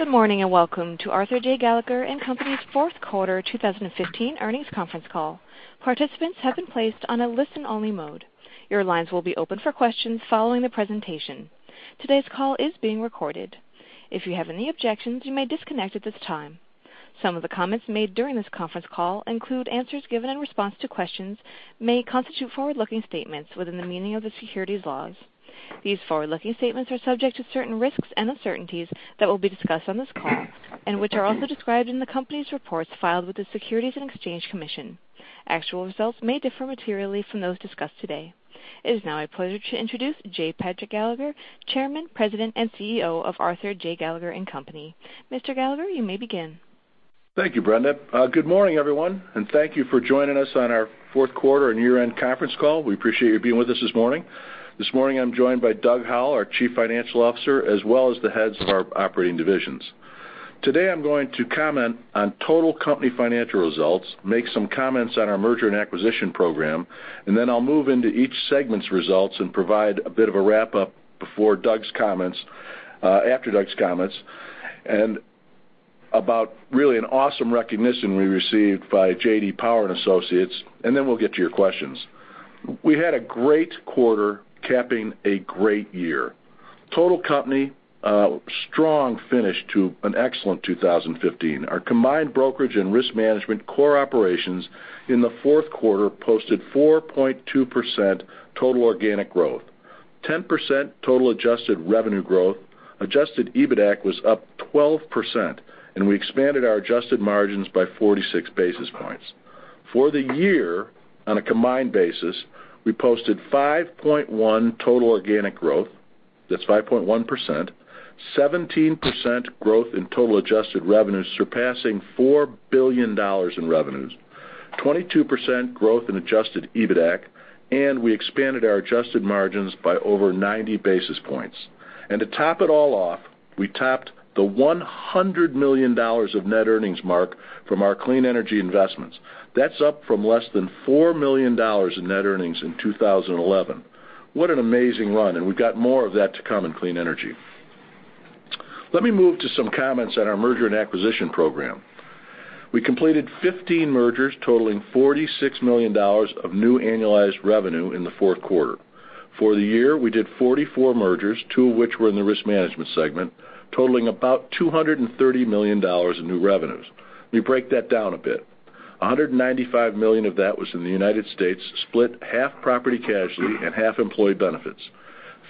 Good morning, welcome to Arthur J. Gallagher & Company's fourth quarter 2015 earnings conference call. Participants have been placed on a listen-only mode. Your lines will be open for questions following the presentation. Today's call is being recorded. If you have any objections, you may disconnect at this time. Some of the comments made during this conference call include answers given in response to questions may constitute forward-looking statements within the meaning of the securities laws. These forward-looking statements are subject to certain risks and uncertainties that will be discussed on this call and which are also described in the Company's reports filed with the Securities and Exchange Commission. Actual results may differ materially from those discussed today. It is now my pleasure to introduce J. Patrick Gallagher, Chairman, President, and CEO of Arthur J. Gallagher & Company. Mr. Gallagher, you may begin. Thank you, Brenda. Good morning, everyone, thank you for joining us on our fourth quarter and year-end conference call. We appreciate you being with us this morning. This morning, I'm joined by Doug Howell, our Chief Financial Officer, as well as the heads of our operating divisions. Today, I'm going to comment on total company financial results, make some comments on our merger and acquisition program, then I'll move into each segment's results and provide a bit of a wrap-up after Doug's comments and about really an awesome recognition we received by J.D. Power and Associates, then we'll get to your questions. We had a great quarter capping a great year. Total company, strong finish to an excellent 2015. Our combined brokerage and risk management core operations in the fourth quarter posted 4.2% total organic growth, 10% total adjusted revenue growth, adjusted EBITAC was up 12%, and we expanded our adjusted margins by 46 basis points. For the year, on a combined basis, we posted 5.1 total organic growth. That's 5.1%. 17% growth in total adjusted revenues, surpassing $4 billion in revenues, 22% growth in adjusted EBITAC, and we expanded our adjusted margins by over 90 basis points. To top it all off, we tapped the $100 million of net earnings mark from our clean energy investments. That's up from less than $4 million in net earnings in 2011. What an amazing run, and we've got more of that to come in clean energy. Let me move to some comments on our merger and acquisition program. We completed 15 mergers totaling $46 million of new annualized revenue in the fourth quarter. For the year, we did 44 mergers, two of which were in the risk management segment, totaling about $230 million in new revenues. Let me break that down a bit. $195 million of that was in the United States, split half property casualty and half employee benefits.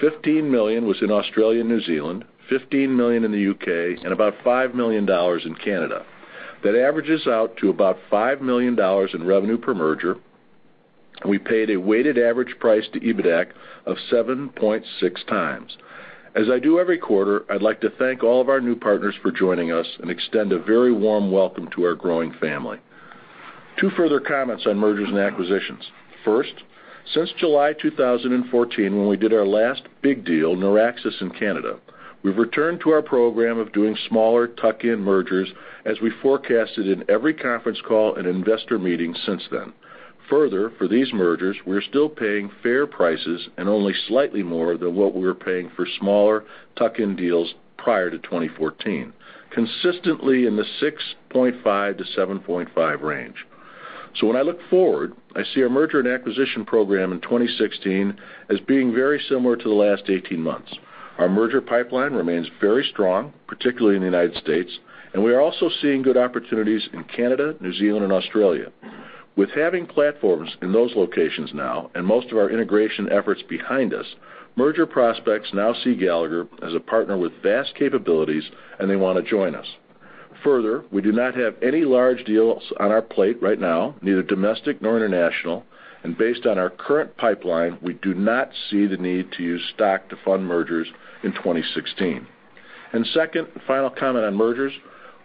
$15 million was in Australia and New Zealand, $15 million in the U.K., and about $5 million in Canada. That averages out to about $5 million in revenue per merger. We paid a weighted average price to EBITAC of 7.6 times. As I do every quarter, I'd like to thank all of our new partners for joining us and extend a very warm welcome to our growing family. Two further comments on mergers and acquisitions. Since July 2014, when we did our last big deal, Noraxis in Canada, we've returned to our program of doing smaller tuck-in mergers as we forecasted in every conference call and investor meeting since then. Further, for these mergers, we're still paying fair prices and only slightly more than what we were paying for smaller tuck-in deals prior to 2014, consistently in the 6.5-7.5 range. When I look forward, I see our merger and acquisition program in 2016 as being very similar to the last 18 months. Our merger pipeline remains very strong, particularly in the United States, and we are also seeing good opportunities in Canada, New Zealand, and Australia. With having platforms in those locations now and most of our integration efforts behind us, merger prospects now see Gallagher as a partner with vast capabilities and they want to join us. We do not have any large deals on our plate right now, neither domestic nor international, and based on our current pipeline, we do not see the need to use stock to fund mergers in 2016. Second and final comment on mergers.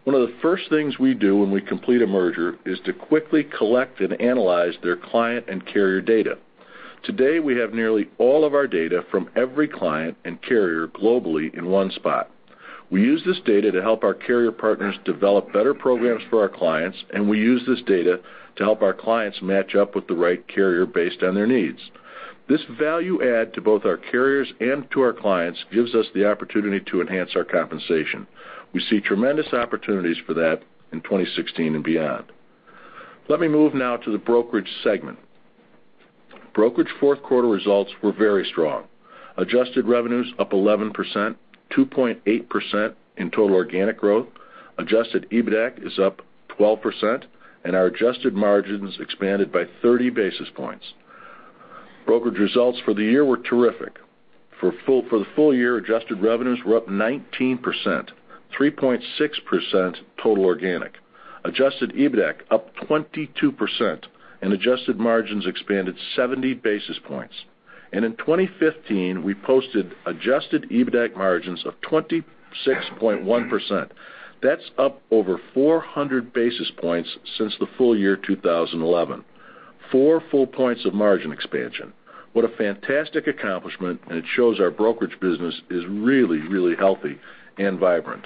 One of the first things we do when we complete a merger is to quickly collect and analyze their client and carrier data. Today, we have nearly all of our data from every client and carrier globally in one spot. We use this data to help our carrier partners develop better programs for our clients, and we use this data to help our clients match up with the right carrier based on their needs. This value add to both our carriers and to our clients gives us the opportunity to enhance our compensation. We see tremendous opportunities for that in 2016 and beyond. Let me move now to the brokerage segment. Brokerage fourth quarter results were very strong. Adjusted revenues up 11%, 2.8% in total organic growth. Adjusted EBITAC is up 12%, and our adjusted margins expanded by 30 basis points. Brokerage results for the year were terrific. For the full year, adjusted revenues were up 19%, 3.6% total organic, adjusted EBITAC up 22%, and adjusted margins expanded 70 basis points. In 2015, we posted adjusted EBITAC margins of 26.1%. That's up over 400 basis points since the full year 2011. Four full points of margin expansion. What a fantastic accomplishment, and it shows our brokerage business is really, really healthy and vibrant.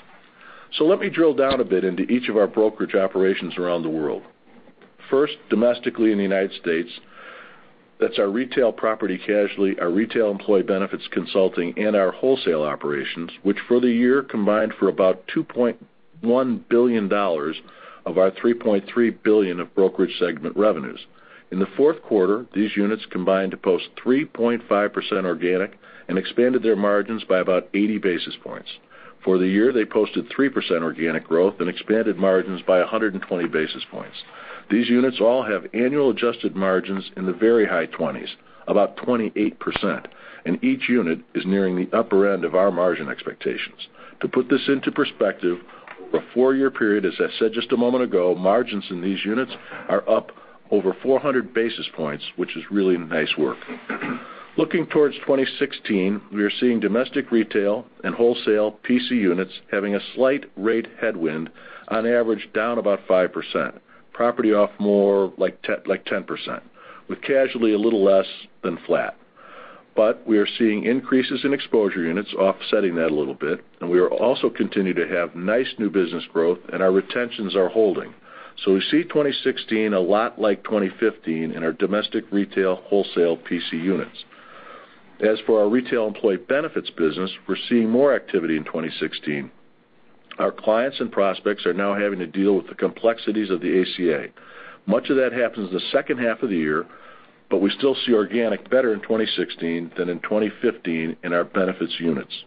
Let me drill down a bit into each of our brokerage operations around the world. Domestically in the United States, that's our retail property casualty, our retail employee benefits consulting, and our wholesale operations, which for the year combined for about $2.1 billion of our $3.3 billion of brokerage segment revenues. In the fourth quarter, these units combined to post 3.5% organic and expanded their margins by about 80 basis points. For the year, they posted 3% organic growth and expanded margins by 120 basis points. These units all have annual adjusted margins in the very high 20s, about 28%, and each unit is nearing the upper end of our margin expectations. To put this into perspective, for a four-year period, as I said just a moment ago, margins in these units are up over 400 basis points, which is really nice work. Looking towards 2016, we are seeing domestic retail and wholesale P&C units having a slight rate headwind, on average down about 5%, property off more like 10%, with casualty a little less than flat. We are seeing increases in exposure units offsetting that a little bit, and we also continue to have nice new business growth, and our retentions are holding. We see 2016 a lot like 2015 in our domestic retail wholesale P&C units. As for our retail employee benefits business, we are seeing more activity in 2016. Our clients and prospects are now having to deal with the complexities of the ACA. Much of that happens the second half of the year, we still see organic better in 2016 than in 2015 in our benefits units.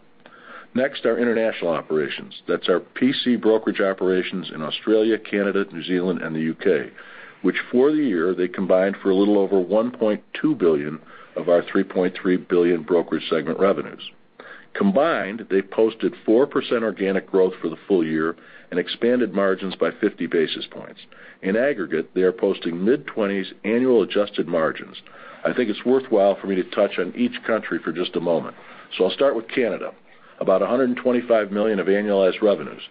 Next, our international operations. That's our P&C brokerage operations in Australia, Canada, New Zealand, and the U.K., which for the year, they combined for a little over $1.2 billion of our $3.3 billion brokerage segment revenues. Combined, they posted 4% organic growth for the full year and expanded margins by 50 basis points. In aggregate, they are posting mid-20s annual adjusted margins. I think it's worthwhile for me to touch on each country for just a moment. I'll start with Canada. About $125 million of annualized revenues.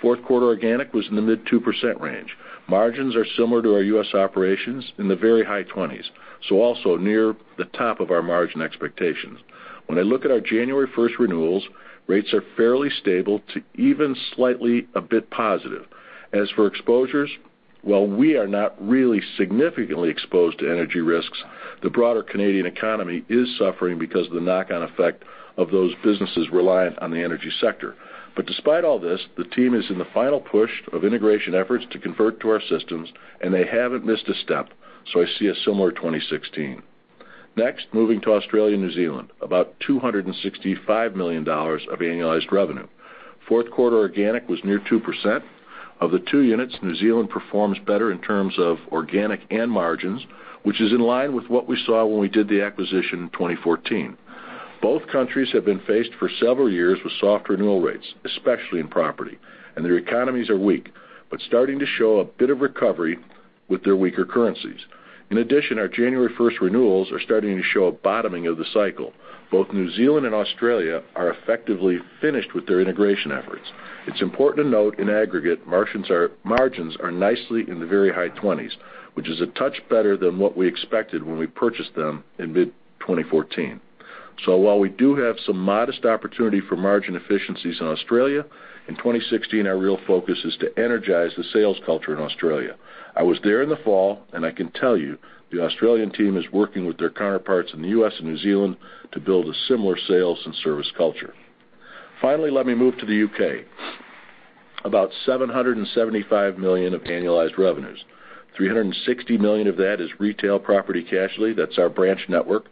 Fourth quarter organic was in the mid-2% range. Margins are similar to our U.S. operations, in the very high 20s, also near the top of our margin expectations. When I look at our January 1st renewals, rates are fairly stable to even slightly a bit positive. As for exposures, while we are not really significantly exposed to energy risks, the broader Canadian economy is suffering because of the knock-on effect of those businesses reliant on the energy sector. Despite all this, the team is in the final push of integration efforts to convert to our systems, and they haven't missed a step. I see a similar 2016. Next, moving to Australia and New Zealand, about $265 million of annualized revenue. Fourth quarter organic was near 2%. Of the two units, New Zealand performs better in terms of organic and margins, which is in line with what we saw when we did the acquisition in 2014. Both countries have been faced for several years with soft renewal rates, especially in property, and their economies are weak, but starting to show a bit of recovery with their weaker currencies. In addition, our January 1st renewals are starting to show a bottoming of the cycle. Both New Zealand and Australia are effectively finished with their integration efforts. It's important to note in aggregate, margins are nicely in the very high 20s, which is a touch better than what we expected when we purchased them in mid-2014. While we do have some modest opportunity for margin efficiencies in Australia, in 2016, our real focus is to energize the sales culture in Australia. I was there in the fall, and I can tell you, the Australian team is working with their counterparts in the U.S. and New Zealand to build a similar sales and service culture. Finally, let me move to the U.K. About $775 million of annualized revenues. $360 million of that is retail property casualty. That's our branch network.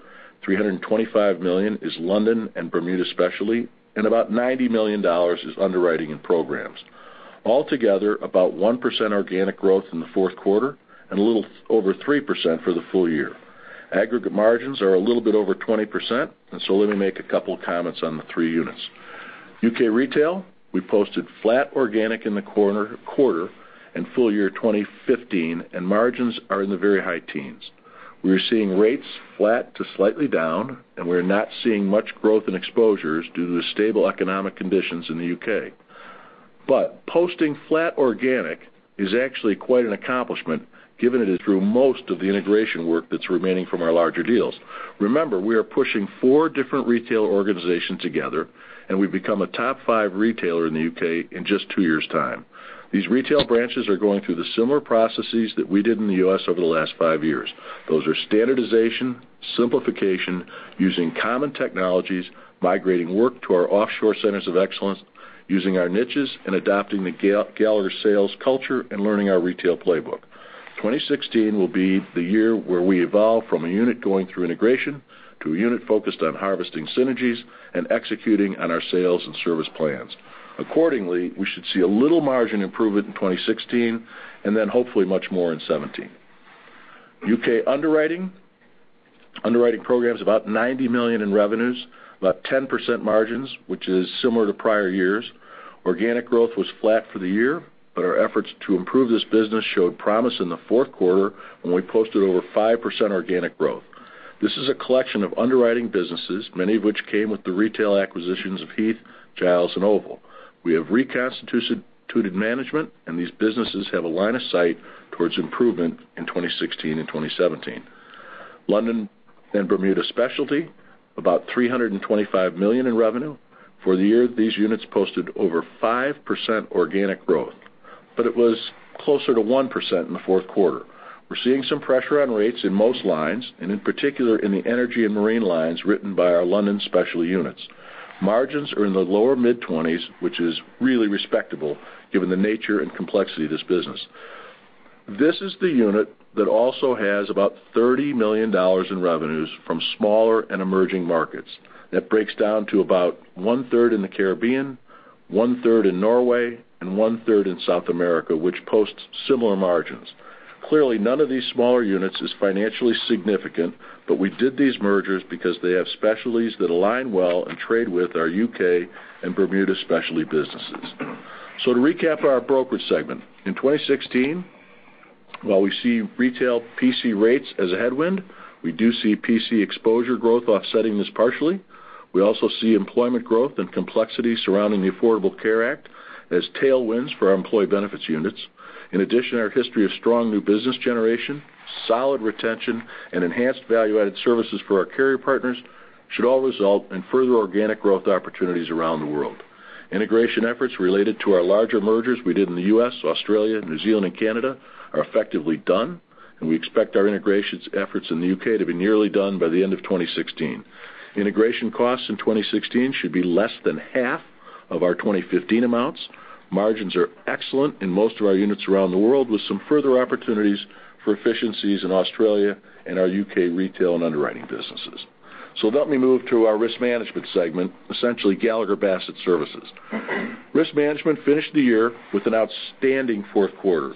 $325 million is London and Bermuda specialty, about $90 million is underwriting and programs. All together, about 1% organic growth in the fourth quarter and a little over 3% for the full year. Aggregate margins are a little bit over 20%. Let me make a couple comments on the three units. U.K. retail, we posted flat organic in the quarter and full year 2015, and margins are in the very high teens. We are seeing rates flat to slightly down, and we are not seeing much growth in exposures due to the stable economic conditions in the U.K. Posting flat organic is actually quite an accomplishment given that it is through most of the integration work that's remaining from our larger deals. Remember, we are pushing four different retail organizations together, and we've become a top five retailer in the U.K. in just two years' time. These retail branches are going through the similar processes that we did in the U.S. over the last five years. Those are standardization, simplification, using common technologies, migrating work to our offshore centers of excellence, using our niches, and adopting the Gallagher sales culture and learning our retail playbook. 2016 will be the year where we evolve from a unit going through integration to a unit focused on harvesting synergies and executing on our sales and service plans. Accordingly, we should see a little margin improvement in 2016, and hopefully much more in 2017. U.K. underwriting. Underwriting programs about $90 million in revenues, about 10% margins, which is similar to prior years. Organic growth was flat for the year, our efforts to improve this business showed promise in the fourth quarter when we posted over 5% organic growth. This is a collection of underwriting businesses, many of which came with the retail acquisitions of Heath, Giles, and Oval. We have reconstituted management, and these businesses have a line of sight towards improvement in 2016 and 2017. London and Bermuda Specialty, about $325 million in revenue. For the year, these units posted over 5% organic growth, but it was closer to 1% in the fourth quarter. We're seeing some pressure on rates in most lines, and in particular, in the energy and marine lines written by our London Special units. Margins are in the lower mid-20s, which is really respectable given the nature and complexity of this business. This is the unit that also has about $30 million in revenues from smaller and emerging markets. That breaks down to about one-third in the Caribbean, one-third in Norway, and one-third in South America, which posts similar margins. Clearly, none of these smaller units is financially significant, but we did these mergers because they have specialties that align well and trade with our U.K. and Bermuda specialty businesses. To recap our brokerage segment, in 2016, while we see retail P&C rates as a headwind, we do see P&C exposure growth offsetting this partially. We also see employment growth and complexity surrounding the Affordable Care Act as tailwinds for our employee benefits units. In addition, our history of strong new business generation, solid retention, and enhanced value-added services for our carrier partners should all result in further organic growth opportunities around the world. Integration efforts related to our larger mergers we did in the U.S., Australia, New Zealand, and Canada are effectively done, and we expect our integration efforts in the U.K. to be nearly done by the end of 2016. Integration costs in 2016 should be less than half of our 2015 amounts. Margins are excellent in most of our units around the world, with some further opportunities for efficiencies in Australia and our U.K. retail and underwriting businesses. Let me move to our risk management segment, essentially Gallagher Bassett Services. Risk management finished the year with an outstanding fourth quarter.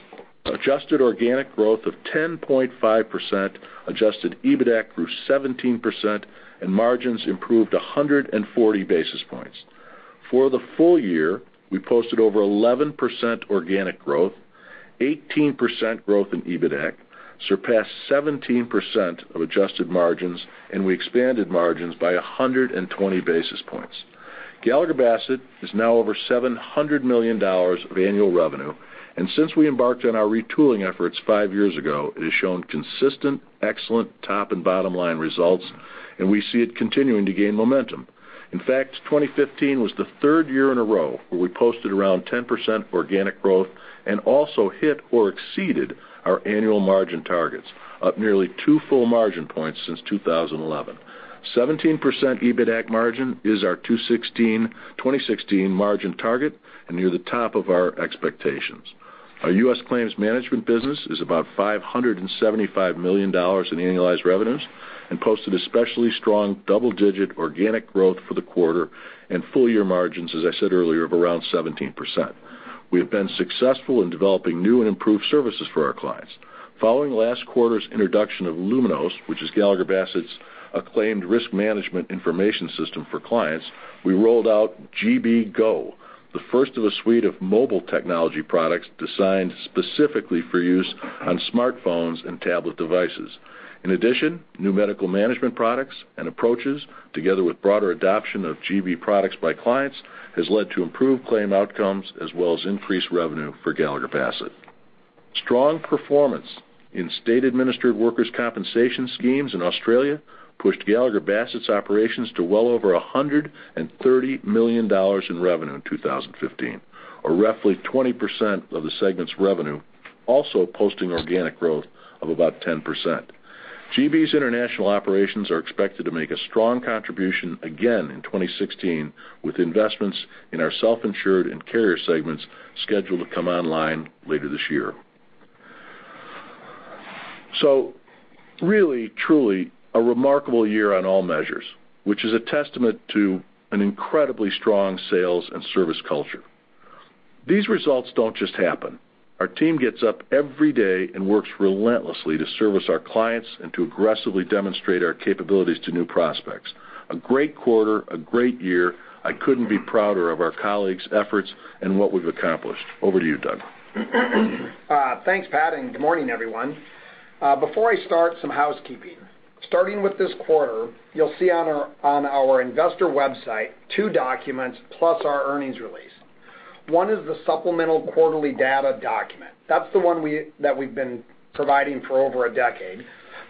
Adjusted organic growth of 10.5%, adjusted EBITAC grew 17%, and margins improved 140 basis points. For the full year, we posted over 11% organic growth, 18% growth in EBITAC, surpassed 17% of adjusted margins, and we expanded margins by 120 basis points. Gallagher Bassett is now over $700 million of annual revenue, and since we embarked on our retooling efforts five years ago, it has shown consistent, excellent top and bottom-line results, and we see it continuing to gain momentum. In fact, 2015 was the third year in a row where we posted around 10% organic growth and also hit or exceeded our annual margin targets, up nearly two full margin points since 2011. 17% EBITAC margin is our 2016 margin target and near the top of our expectations. Our U.S. claims management business is about $575 million in annualized revenues and posted especially strong double-digit organic growth for the quarter and full-year margins, as I said earlier, of around 17%. We have been successful in developing new and improved services for our clients. Following last quarter's introduction of LUMINOS, which is Gallagher Bassett's acclaimed risk management information system for clients, we rolled out GB GO, the first of a suite of mobile technology products designed specifically for use on smartphones and tablet devices. In addition, new medical management products and approaches, together with broader adoption of GB products by clients, has led to improved claim outcomes as well as increased revenue for Gallagher Bassett. Strong performance in state-administered workers compensation schemes in Australia pushed Gallagher Bassett's operations to well over $130 million in revenue in 2015, or roughly 20% of the segment's revenue, also posting organic growth of about 10%. GB's international operations are expected to make a strong contribution again in 2016, with investments in our self-insured and carrier segments scheduled to come online later this year. Really, truly a remarkable year on all measures, which is a testament to an incredibly strong sales and service culture. These results don't just happen. Our team gets up every day and works relentlessly to service our clients and to aggressively demonstrate our capabilities to new prospects. A great quarter, a great year. I couldn't be prouder of our colleagues' efforts and what we've accomplished. Over to you, Doug. Thanks, Pat, and good morning, everyone. Before I start, some housekeeping. Starting with this quarter, you'll see on our investor website two documents plus our earnings release. One is the supplemental quarterly data document. That's the one that we've been providing for over a decade.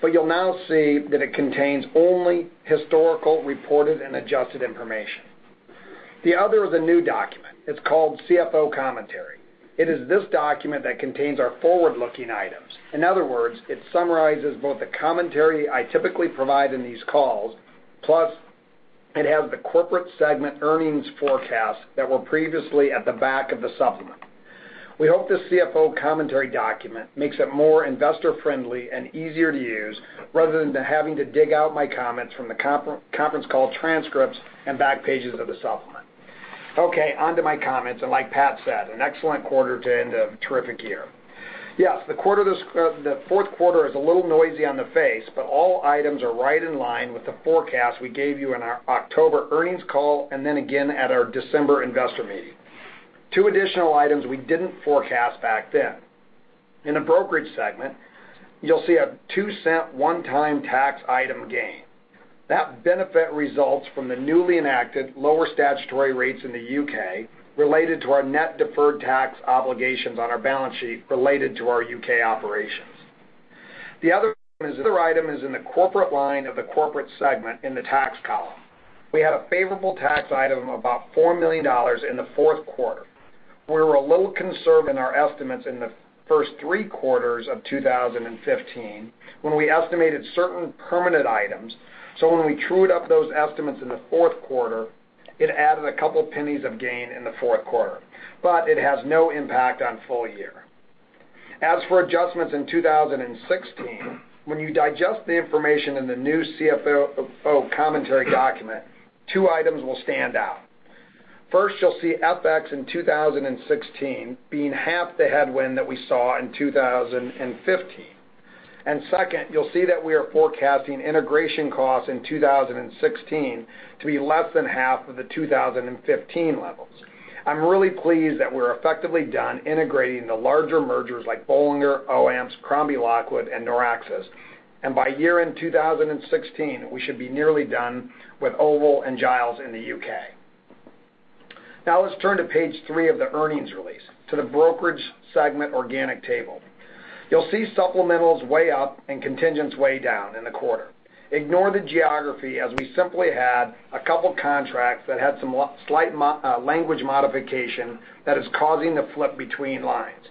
You'll now see that it contains only historical, reported, and adjusted information. The other is a new document. It's called CFO Commentary. It is this document that contains our forward-looking items. In other words, it summarizes both the commentary I typically provide in these calls, plus it has the corporate segment earnings forecasts that were previously at the back of the supplement. We hope this CFO Commentary document makes it more investor-friendly and easier to use rather than having to dig out my comments from the conference call transcripts and back pages of the supplement. Okay, onto my comments. Like Pat said, an excellent quarter to end a terrific year. Yes, the fourth quarter is a little noisy on the face. All items are right in line with the forecast we gave you in our October earnings call and then again at our December investor meeting. Two additional items we didn't forecast back then. In the brokerage segment, you'll see a $0.02 one-time tax item gain. That benefit results from the newly enacted lower statutory rates in the U.K. related to our net deferred tax obligations on our balance sheet related to our U.K. operations. The other item is in the corporate line of the corporate segment in the tax column. We had a favorable tax item of about $4 million in the fourth quarter. We were a little concerned in our estimates in the first 3 quarters of 2015, when we estimated certain permanent items. When we trued up those estimates in the fourth quarter, it added a $0.02 of gain in the fourth quarter. It has no impact on full year. As for adjustments in 2016, when you digest the information in the new CFO Commentary document, 2 items will stand out. First, you'll see FX in 2016 being half the headwind that we saw in 2015. Second, you'll see that we are forecasting integration costs in 2016 to be less than half of the 2015 levels. I'm really pleased that we're effectively done integrating the larger mergers like Bollinger, OAMPS, Crombie Lockwood, and Noraxis. By year-end 2016, we should be nearly done with Oval and Giles in the U.K. Now let's turn to page 3 of the earnings release, to the brokerage segment organic table. You'll see supplementals way up and contingents way down in the quarter. Ignore the geography, as we simply had a couple contracts that had some slight language modification that is causing the flip between lines.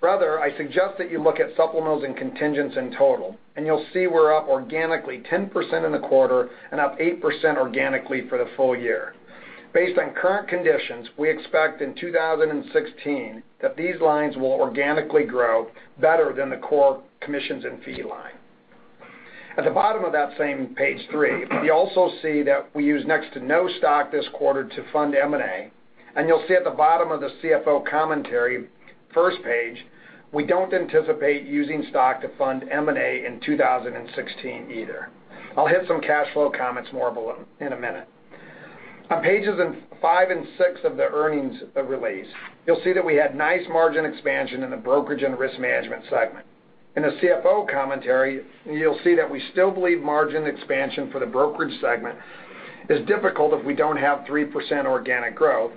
Rather, I suggest that you look at supplementals and contingents in total. You'll see we're up organically 10% in the quarter and up 8% organically for the full year. Based on current conditions, we expect in 2016 that these lines will organically grow better than the core commissions and fee line. At the bottom of that same page 3, you also see that we use next to no stock this quarter to fund M&A. You'll see at the bottom of the CFO Commentary first page, we don't anticipate using stock to fund M&A in 2016 either. I'll hit some cash flow comments more in a minute. On pages five and six of the earnings release, you'll see that we had nice margin expansion in the brokerage and risk management segment. In the CFO Commentary, you'll see that we still believe margin expansion for the brokerage segment is difficult if we don't have 3% organic growth.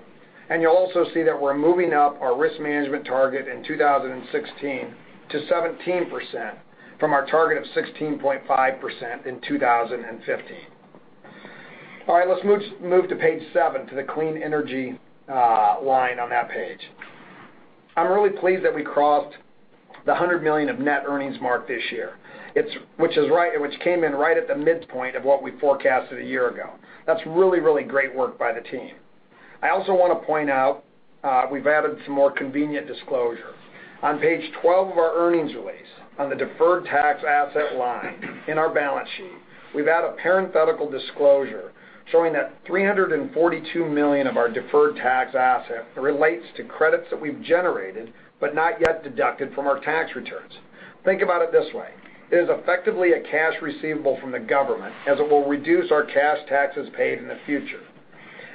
You'll also see that we're moving up our risk management target in 2016 to 17%, from our target of 16.5% in 2015. All right. Let's move to page seven, to the Clean Energy line on that page. I'm really pleased that we crossed the $100 million of net earnings mark this year, which came in right at the midpoint of what we forecasted a year ago. That's really great work by the team. I also want to point out we've added some more convenient disclosure. On page 12 of our earnings release, on the deferred tax asset line in our balance sheet, we've added a parenthetical disclosure showing that $342 million of our deferred tax asset relates to credits that we've generated but not yet deducted from our tax returns. Think about it this way. It is effectively a cash receivable from the government, as it will reduce our cash taxes paid in the future.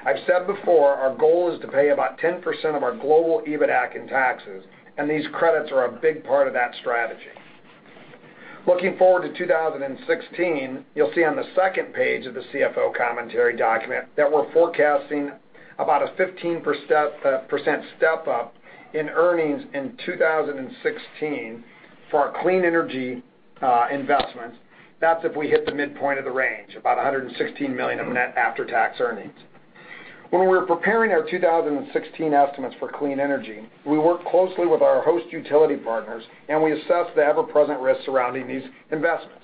I've said before, our goal is to pay about 10% of our global EBITAC in taxes, these credits are a big part of that strategy. Looking forward to 2016, you'll see on the second page of the CFO Commentary document that we're forecasting about a 15% step-up in earnings in 2016 for our Clean Energy investments. That's if we hit the midpoint of the range, about $116 million of net after-tax earnings. When we were preparing our 2016 estimates for Clean Energy, we worked closely with our host utility partners, we assessed the ever-present risks surrounding these investments.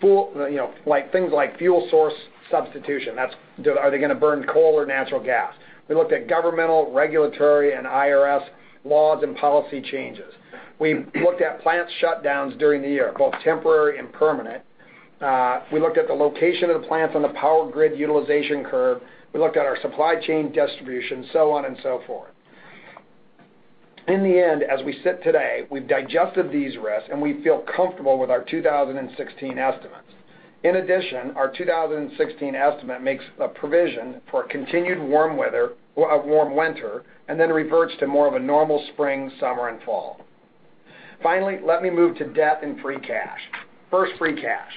Things like fuel source substitution. Are they going to burn coal or natural gas? We looked at governmental, regulatory, and IRS laws and policy changes. We looked at plant shutdowns during the year, both temporary and permanent. We looked at the location of the plant on the power grid utilization curve. We looked at our supply chain distribution, so on and so forth. In the end, as we sit today, we've digested these risks, and we feel comfortable with our 2016 estimates. In addition, our 2016 estimate makes a provision for a continued warm winter, then reverts to more of a normal spring, summer, and fall. Finally, let me move to debt and free cash. First, free cash.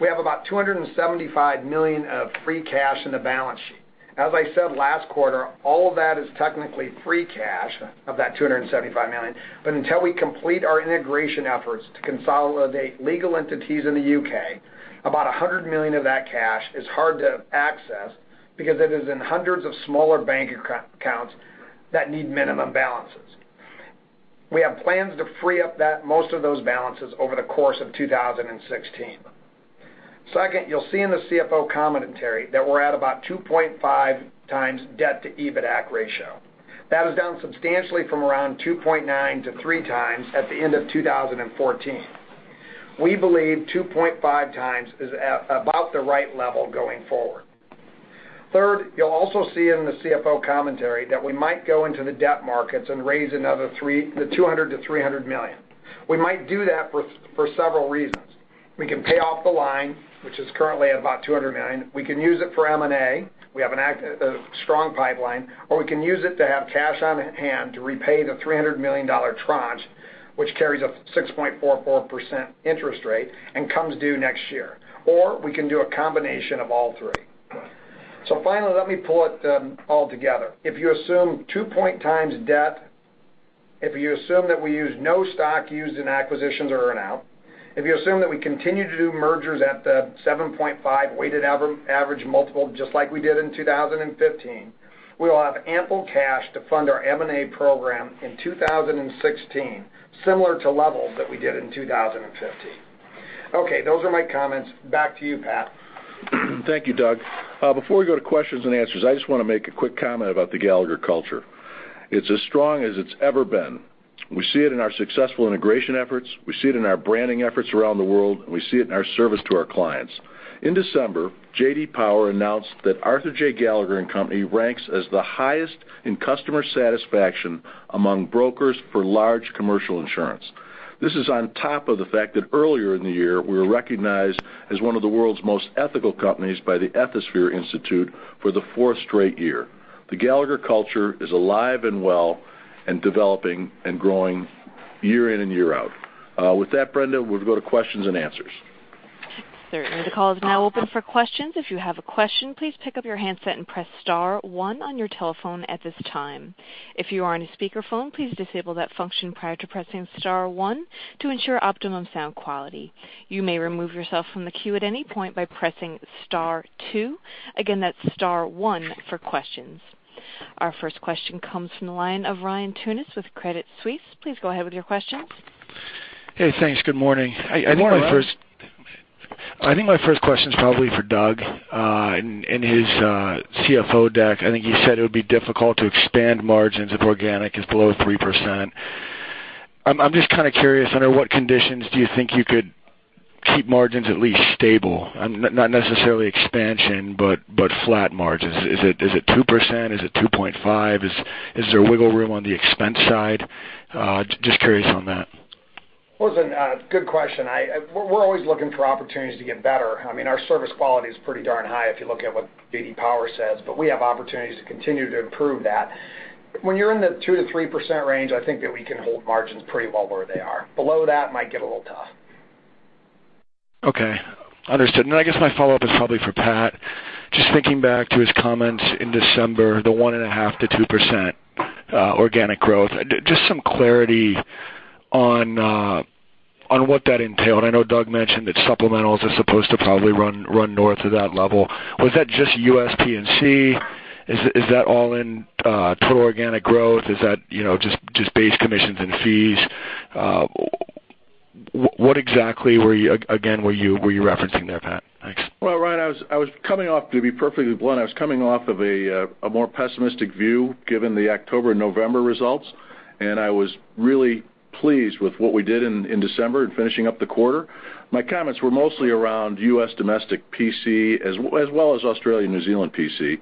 We have about $275 million of free cash in the balance sheet. As I said last quarter, all of that is technically free cash, of that $275 million, but until we complete our integration efforts to consolidate legal entities in the U.K., about $100 million of that cash is hard to access because it is in hundreds of smaller bank accounts that need minimum balances. We have plans to free up most of those balances over the course of 2016. Second, you'll see in the CFO Commentary that we're at about 2.5 times debt to EBITAC ratio. That is down substantially from around 2.9 to 3 times at the end of 2014. We believe 2.5 times is about the right level going forward. Third, you'll also see in the CFO Commentary that we might go into the debt markets and raise another $200 million-$300 million. We might do that for several reasons. We can pay off the line, which is currently at about $200 million. We can use it for M&A. We have a strong pipeline, or we can use it to have cash on hand to repay the $300 million tranche, which carries a 6.44% interest rate and comes due next year. Or we can do a combination of all three. Finally, let me pull it all together. If you assume 2.0 times debt, if you assume that we use no stock used in acquisitions or earn-out, if you assume that we continue to do mergers at the 7.5x weighted average multiple just like we did in 2015, we will have ample cash to fund our M&A program in 2016, similar to levels that we did in 2015. Those are my comments. Back to you, Pat. Thank you, Doug. Before we go to questions and answers, I just want to make a quick comment about the Gallagher culture. It's as strong as it's ever been. We see it in our successful integration efforts. We see it in our branding efforts around the world. We see it in our service to our clients. In December, J.D. Power announced that Arthur J. Gallagher & Co. ranks as the highest in customer satisfaction among brokers for large commercial insurance. This is on top of the fact that earlier in the year, we were recognized as one of the world's most ethical companies by the Ethisphere Institute for the fourth straight year. The Gallagher culture is alive and well and developing and growing year in and year out. With that, Brenda, we'll go to questions and answers. Certainly. The call is now open for questions. If you have a question, please pick up your handset and press star 1 on your telephone at this time. If you are on a speakerphone, please disable that function prior to pressing star 1 to ensure optimum sound quality. You may remove yourself from the queue at any point by pressing star 2. Again, that's star 1 for questions. Our first question comes from the line of Ryan Tunis with Credit Suisse. Please go ahead with your questions. Thanks. Good morning. Good morning, Ryan. I think my first question is probably for Doug. In his CFO deck, I think he said it would be difficult to expand margins if organic is below 3%. I'm just kind of curious, under what conditions do you think you could keep margins at least stable? Not necessarily expansion, but flat margins. Is it 2%? Is it 2.5%? Is there wiggle room on the expense side? Just curious on that. Listen, good question. We're always looking for opportunities to get better. Our service quality is pretty darn high if you look at what J.D. Power says, but we have opportunities to continue to improve that. When you're in the 2%-3% range, I think that we can hold margins pretty well where they are. Below that might get a little tough. Okay. Understood. I guess my follow-up is probably for Pat. Just thinking back to his comments in December, the 1.5%-2% organic growth. Just some clarity on what that entailed. I know Doug mentioned that supplementals are supposed to probably run north of that level. Was that just U.S. P&C? Is that all in total organic growth? Is that just base commissions and fees? What exactly, again, were you referencing there, Pat? Thanks. Well, Ryan, to be perfectly blunt, I was coming off of a more pessimistic view given the October and November results, and I was really pleased with what we did in December in finishing up the quarter. My comments were mostly around U.S. domestic P&C as well as Australia, New Zealand P&C.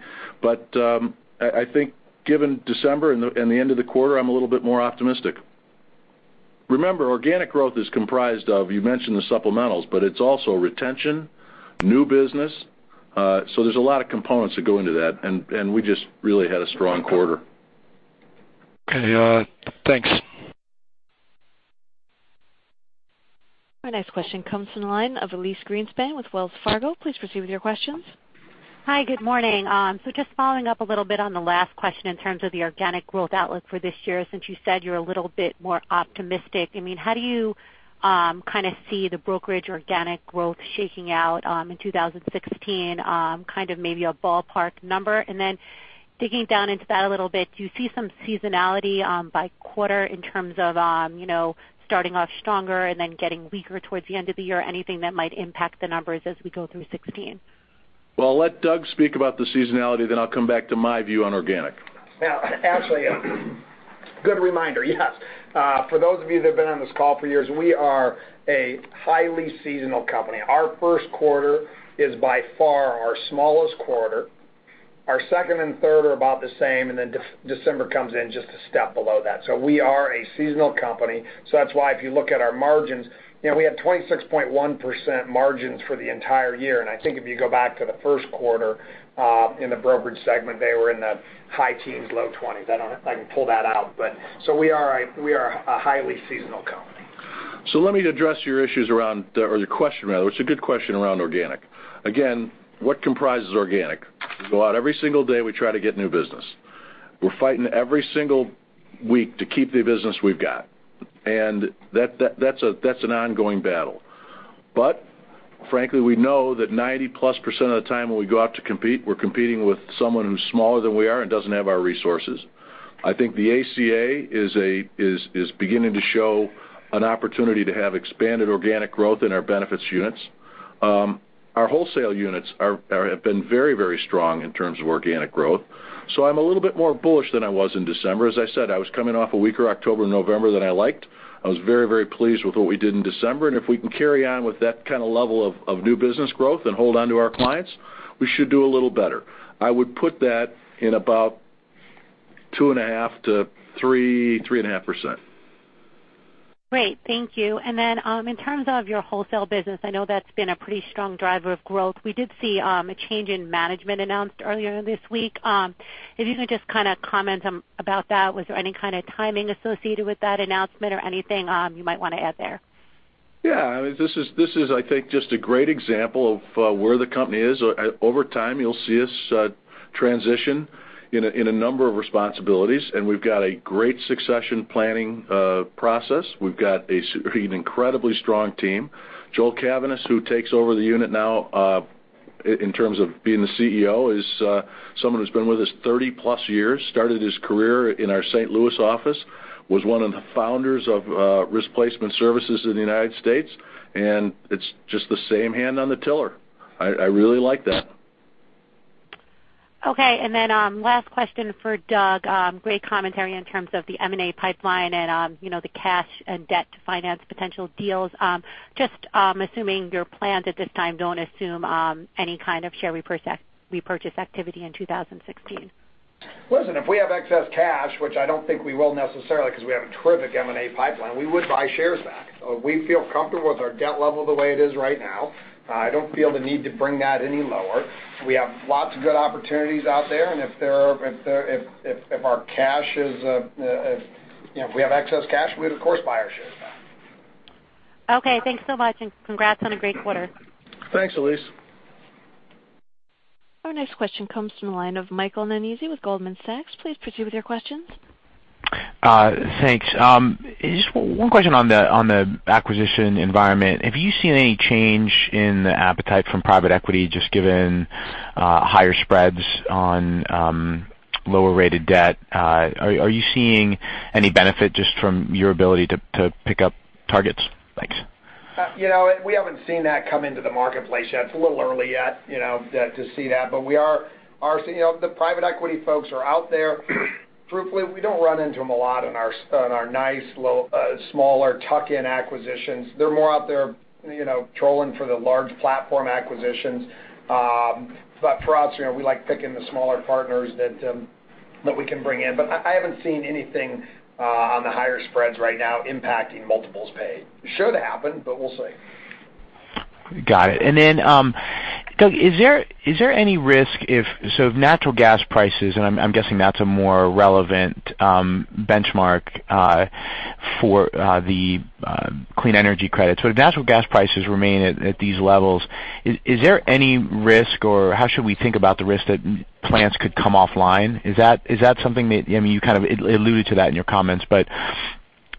I think given December and the end of the quarter, I'm a little bit more optimistic. Remember, organic growth is comprised of, you mentioned the supplementals, but it's also retention, new business. There's a lot of components that go into that, and we just really had a strong quarter. Okay. Thanks. Our next question comes from the line of Elyse Greenspan with Wells Fargo. Please proceed with your questions. Hi, good morning. Just following up a little bit on the last question in terms of the organic growth outlook for this year, since you said you're a little bit more optimistic. How do you see the brokerage organic growth shaking out in 2016, maybe a ballpark number? Then digging down into that a little bit, do you see some seasonality by quarter in terms of starting off stronger and then getting weaker towards the end of the year? Anything that might impact the numbers as we go through 2016? I'll let Doug speak about the seasonality, then I'll come back to my view on organic. Actually, good reminder. Yes. For those of you that have been on this call for years, we are a highly seasonal company. Our first quarter is by far our smallest quarter. Our second and third are about the same, then December comes in just a step below that. We are a seasonal company. That's why if you look at our margins, we had 26.1% margins for the entire year. I think if you go back to the first quarter in the brokerage segment, they were in the high teens, low 20s. I can pull that out. We are a highly seasonal company. Let me address your issues around, or your question, rather. It's a good question around organic. Again, what comprises organic? We go out every single day, we try to get new business. We're fighting every single week to keep the business we've got, and that's an ongoing battle. But frankly, we know that 90+% of the time when we go out to compete, we're competing with someone who's smaller than we are and doesn't have our resources. I think the Affordable Care Act is beginning to show an opportunity to have expanded organic growth in our benefits units. Our wholesale units have been very strong in terms of organic growth. I'm a little bit more bullish than I was in December. As I said, I was coming off a weaker October and November than I liked. I was very pleased with what we did in December. If we can carry on with that kind of level of new business growth and hold on to our clients, we should do a little better. I would put that in about 2.5%-3.5%. Great. Thank you. In terms of your wholesale business, I know that's been a pretty strong driver of growth. We did see a change in management announced earlier this week. If you can just comment about that. Was there any kind of timing associated with that announcement or anything you might want to add there? Yeah. This is, I think, just a great example of where the company is. Over time, you'll see us transition in a number of responsibilities. We've got a great succession planning process. We've got an incredibly strong team. Joel Cavaness, who takes over the unit now in terms of being the CEO, is someone who's been with us 30-plus years, started his career in our St. Louis office, was one of the founders of Risk Placement Services in the United States. It's just the same hand on the tiller. I really like that. Okay, last question for Doug. Great commentary in terms of the M&A pipeline and the cash and debt to finance potential deals. Just assuming your plans at this time don't assume any kind of share repurchase activity in 2016. Listen, if we have excess cash, which I don't think we will necessarily because we have a terrific M&A pipeline, we would buy shares back. We feel comfortable with our debt level the way it is right now. I don't feel the need to bring that any lower. We have lots of good opportunities out there. If we have excess cash, we'd of course buy our shares back. Okay. Thanks so much. Congrats on a great quarter. Thanks, Elyse. Our next question comes from the line of Michael Nannizzi with Goldman Sachs. Please proceed with your questions. Thanks. Just one question on the acquisition environment. Have you seen any change in the appetite from private equity, just given higher spreads on lower-rated debt? Are you seeing any benefit just from your ability to pick up targets? Thanks. The private equity folks are out there. Truthfully, we don't run into them a lot in our nice little, smaller tuck-in acquisitions. They're more out there trolling for the large platform acquisitions. For us, we like picking the smaller partners that we can bring in. I haven't seen anything on the higher spreads right now impacting multiples paid. It should happen, but we'll see. Got it. Doug, if natural gas prices, and I'm guessing that's a more relevant benchmark for the clean energy credits, but if natural gas prices remain at these levels, is there any risk, or how should we think about the risk that plants could come offline? You kind of alluded to that in your comments, but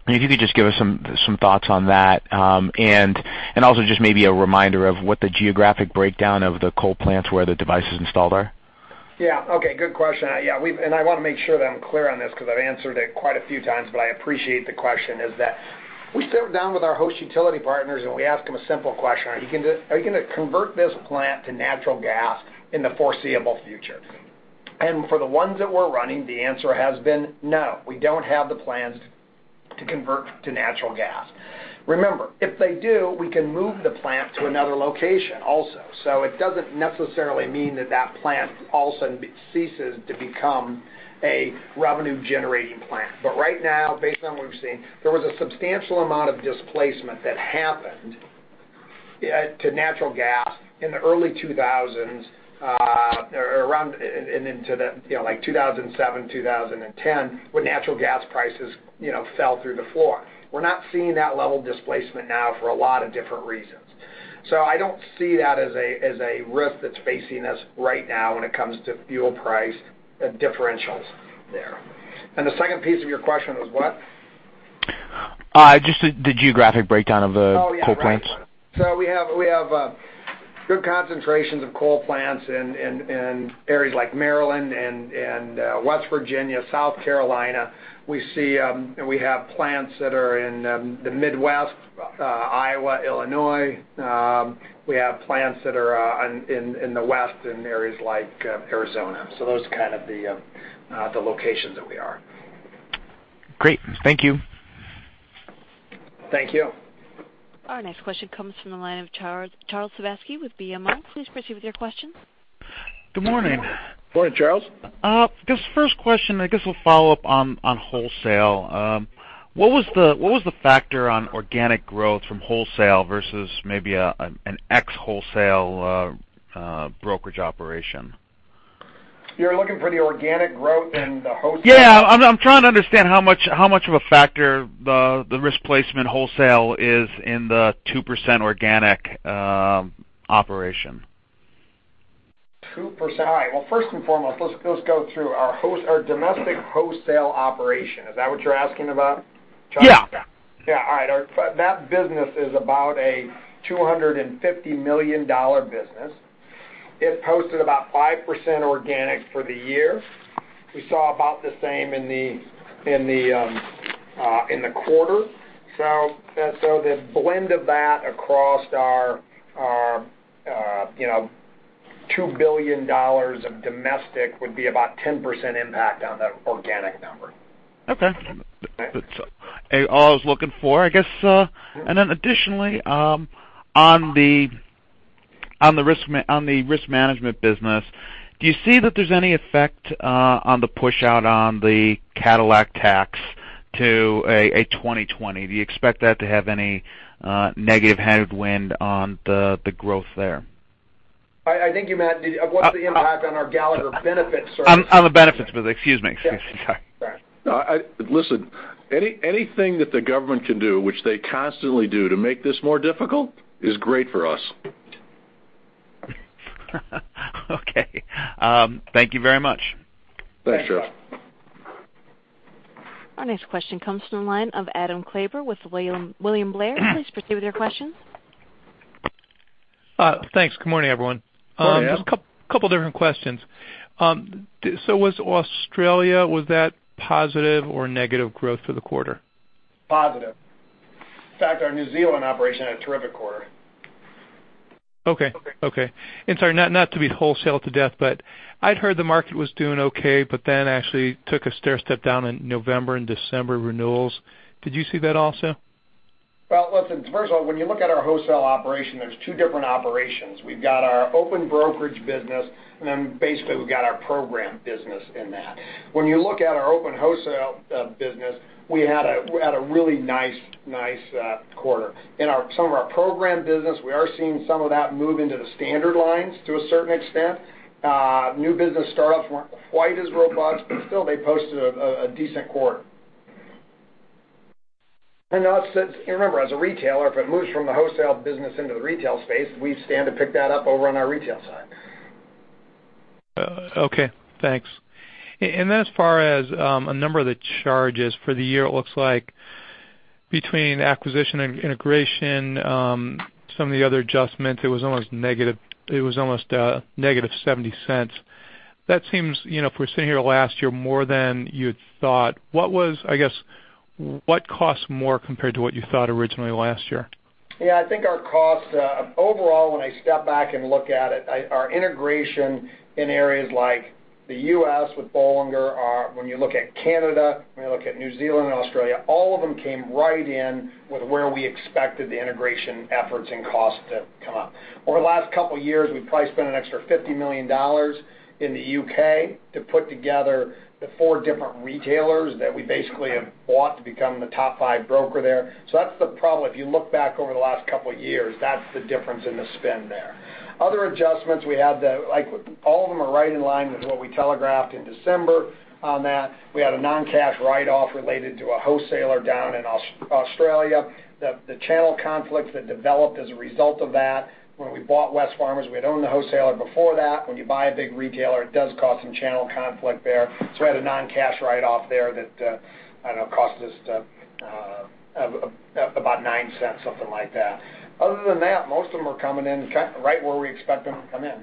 if you could just give us some thoughts on that, and also just maybe a reminder of what the geographic breakdown of the coal plants where the devices installed are. Yeah. Okay. Good question. I want to make sure that I'm clear on this because I've answered it quite a few times, but I appreciate the question, is that we sit down with our host utility partners, and we ask them a simple question, "Are you going to convert this plant to natural gas in the foreseeable future?" For the ones that we're running, the answer has been, "No. We don't have the plans to convert to natural gas." Remember, if they do, we can move the plant to another location also. It doesn't necessarily mean that plant also ceases to become a revenue-generating plant. Right now, based on what we've seen, there was a substantial amount of displacement that happened to natural gas in the early 2000s or around 2007, 2010, when natural gas prices fell through the floor. We're not seeing that level of displacement now for a lot of different reasons. I don't see that as a risk that's facing us right now when it comes to fuel price differentials there. The second piece of your question was what? Just the geographic breakdown of the coal plants. Oh, yeah. Right. We have good concentrations of coal plants in areas like Maryland and West Virginia, South Carolina. We have plants that are in the Midwest, Iowa, Illinois. We have plants that are in the West in areas like Arizona. Those are kind of the locations that we are. Great. Thank you. Thank you. Our next question comes from the line of Charles Sebaski with BMO. Please proceed with your questions. Good morning. Morning, Charles. This first question, I guess, will follow up on wholesale. What was the factor on organic growth from wholesale versus maybe an ex-wholesale brokerage operation? You're looking for the organic growth in the wholesale? Yeah. I'm trying to understand how much of a factor the Risk Placement Services wholesale is in the 2% organic operation. 2%. All right. Well, first and foremost, let's go through our domestic wholesale operation. Is that what you're asking about, Charles? Yeah. Yeah. All right. That business is about a $250 million business. It posted about 5% organic for the year. We saw about the same in the quarter. The blend of that across our $2 billion of domestic would be about 10% impact on the organic number. Okay. That's all I was looking for, I guess. Additionally, on the risk management business, do you see that there's any effect on the push-out on the Cadillac Tax to a 2020? Do you expect that to have any negative headwind on the growth there? I think you meant what's the impact on our Gallagher Benefit Services. On the benefits, excuse me. Sorry. Right. Listen, anything that the government can do, which they constantly do, to make this more difficult, is great for us. Okay. Thank you very much. Thanks, Charles. Our next question comes from the line of Adam Klauber with William Blair. Please proceed with your questions. Thanks. Good morning, everyone. Good morning, Adam. Just couple different questions. Was Australia, was that positive or negative growth for the quarter? Positive. In fact, our New Zealand operation had a terrific quarter. Okay. Sorry, not to be wholesale to death, but I'd heard the market was doing okay, but then actually took a stairstep down in November and December renewals. Did you see that also? listen, first of all, when you look at our wholesale operation, there's two different operations. We've got our open brokerage business, then basically we've got our program business in that. When you look at our open wholesale business, we had a really nice quarter. In some of our program business, we are seeing some of that move into the standard lines to a certain extent. New business startups weren't quite as robust, but still they posted a decent quarter. Remember, as a retailer, if it moves from the wholesale business into the retail space, we stand to pick that up over on our retail side. Okay, thanks. As far as a number of the charges for the year, it looks like between acquisition and integration, some of the other adjustments, it was almost negative $0.70. That seems, if we're sitting here last year, more than you had thought. I guess, what costs more compared to what you thought originally last year? I think our costs, overall, when I step back and look at it, our integration in areas like the U.S. with Bollinger, when you look at Canada, when you look at New Zealand and Australia, all of them came right in with where we expected the integration efforts and costs to come up. Over the last couple of years, we've probably spent an extra $50 million in the U.K. to put together the four different retailers that we basically have bought to become the top five broker there. That's the problem. If you look back over the last couple of years, that's the difference in the spend there. Other adjustments we had, all of them are right in line with what we telegraphed in December on that. We had a non-cash write-off related to a wholesaler down in Australia. The channel conflicts that developed as a result of that, when we bought Wesfarmers, we had owned the wholesaler before that. When you buy a big retailer, it does cause some channel conflict there. We had a non-cash write-off there that, I don't know, cost us about $0.09, something like that. Other than that, most of them are coming in right where we expect them to come in.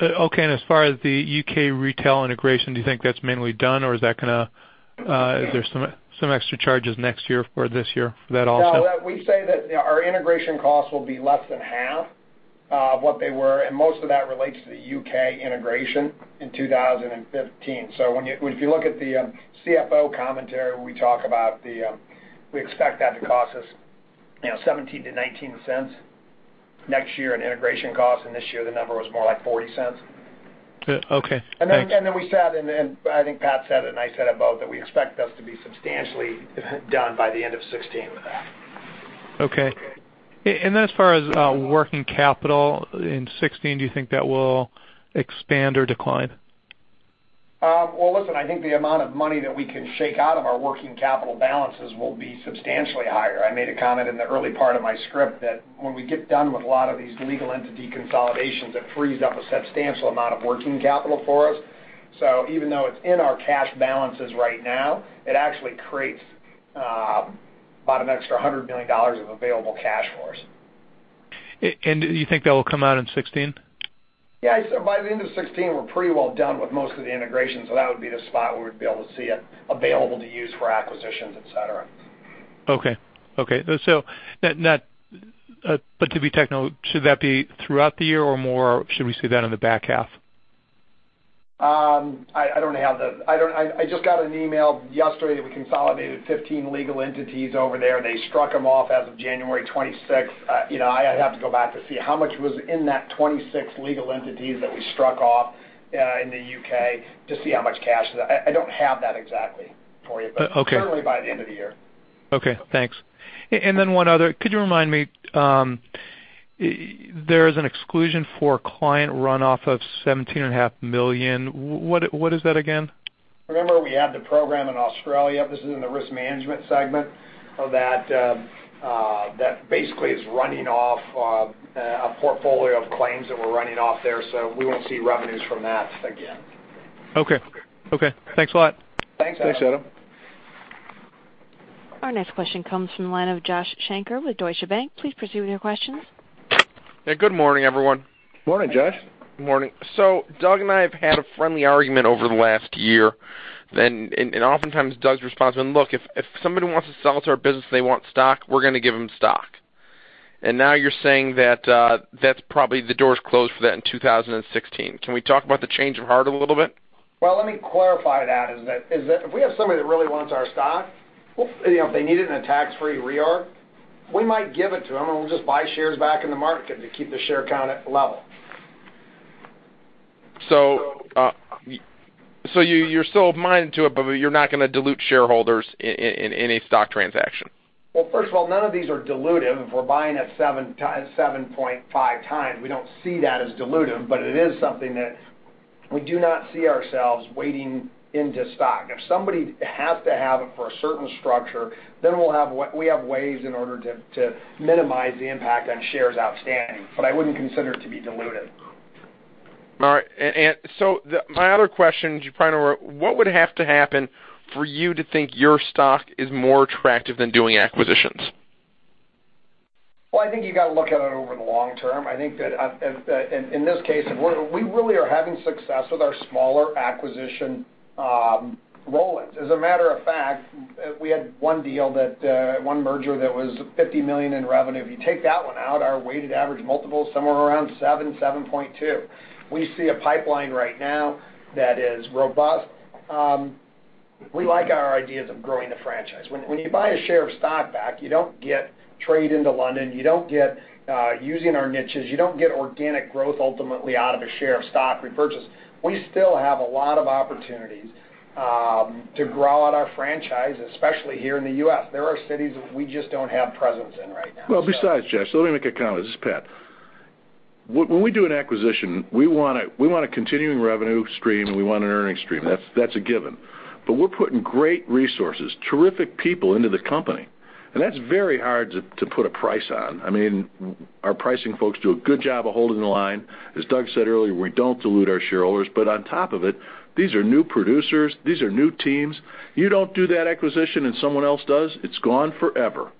Okay, as far as the U.K. retail integration, do you think that's mainly done, or is there some extra charges next year or this year for that also? No, we say that our integration costs will be less than half of what they were, and most of that relates to the U.K. integration in 2015. If you look at the CFO Commentary, we expect that to cost us $0.17-$0.19 next year in integration costs, and this year the number was more like $0.40. Okay, thanks. I think Pat said it, and I said it about, that we expect this to be substantially done by the end of 2016 with that. Okay. As far as working capital in 2016, do you think that will expand or decline? Well, listen, I think the amount of money that we can shake out of our working capital balances will be substantially higher. I made a comment in the early part of my script that when we get done with a lot of these legal entity consolidations, it frees up a substantial amount of working capital for us. Even though it's in our cash balances right now, it actually creates about an extra $100 million of available cash for us. Do you think that will come out in 2016? Yeah. I said by the end of 2016, we're pretty well done with most of the integration, so that would be the spot where we'd be able to see it available to use for acquisitions, et cetera. Okay. To be technical, should that be throughout the year, or more should we see that in the back half? I just got an email yesterday that we consolidated 15 legal entities over there. They struck them off as of January 26th. I'd have to go back to see how much was in that 26 legal entities that we struck off in the U.K. to see how much cash. I don't have that exactly for you, certainly by the end of the year. Okay, thanks. One other. Could you remind me, there's an exclusion for client runoff of $17.5 million. What is that again? Remember we had the program in Australia, this is in the risk management segment, that basically is running off a portfolio of claims that we're running off there. We won't see revenues from that again. Okay. Thanks a lot. Thanks, Adam. Thanks, Adam. Our next question comes from the line of Joshua Shanker with Deutsche Bank. Please proceed with your questions. Yeah, good morning, everyone. Morning, Josh. Morning. Doug and I have had a friendly argument over the last year, and oftentimes Doug's response has been, "Look, if somebody wants to sell to our business and they want stock, we're going to give them stock." Now you're saying that probably the door is closed for that in 2016. Can we talk about the change of heart a little bit? Well, let me clarify that, is that if we have somebody that really wants our stock, if they need it in a tax-free reorg, we might give it to them, we'll just buy shares back in the market to keep the share count level. You're still open-minded to it, but you're not going to dilute shareholders in any stock transaction? First of all, none of these are dilutive. If we're buying at 7.5x, we don't see that as dilutive, but it is something that we do not see ourselves wading into stock. If somebody has to have it for a certain structure, then we have ways in order to minimize the impact on shares outstanding. I wouldn't consider it to be dilutive. My other question, what would have to happen for you to think your stock is more attractive than doing acquisitions? I think you got to look at it over the long term. I think that, in this case, we really are having success with our smaller acquisition roll-ups. As a matter of fact, we had one deal, one merger that was $50 million in revenue. If you take that one out, our weighted average multiple is somewhere around 7.2. We see a pipeline right now that is robust. We like our ideas of growing the franchise. When you buy a share of stock back, you don't get trade into London, you don't get using our niches, you don't get organic growth ultimately out of a share of stock repurchase. We still have a lot of opportunities to grow out our franchise, especially here in the U.S. There are cities that we just don't have presence in right now. Josh, let me make a comment. This is Pat. When we do an acquisition, we want a continuing revenue stream, and we want an earnings stream. That's a given. We're putting great resources, terrific people into the company, and that's very hard to put a price on. Our pricing folks do a good job of holding the line. As Doug said earlier, we don't dilute our shareholders, but on top of it, these are new producers. These are new teams. You don't do that acquisition and someone else does, it's gone forever.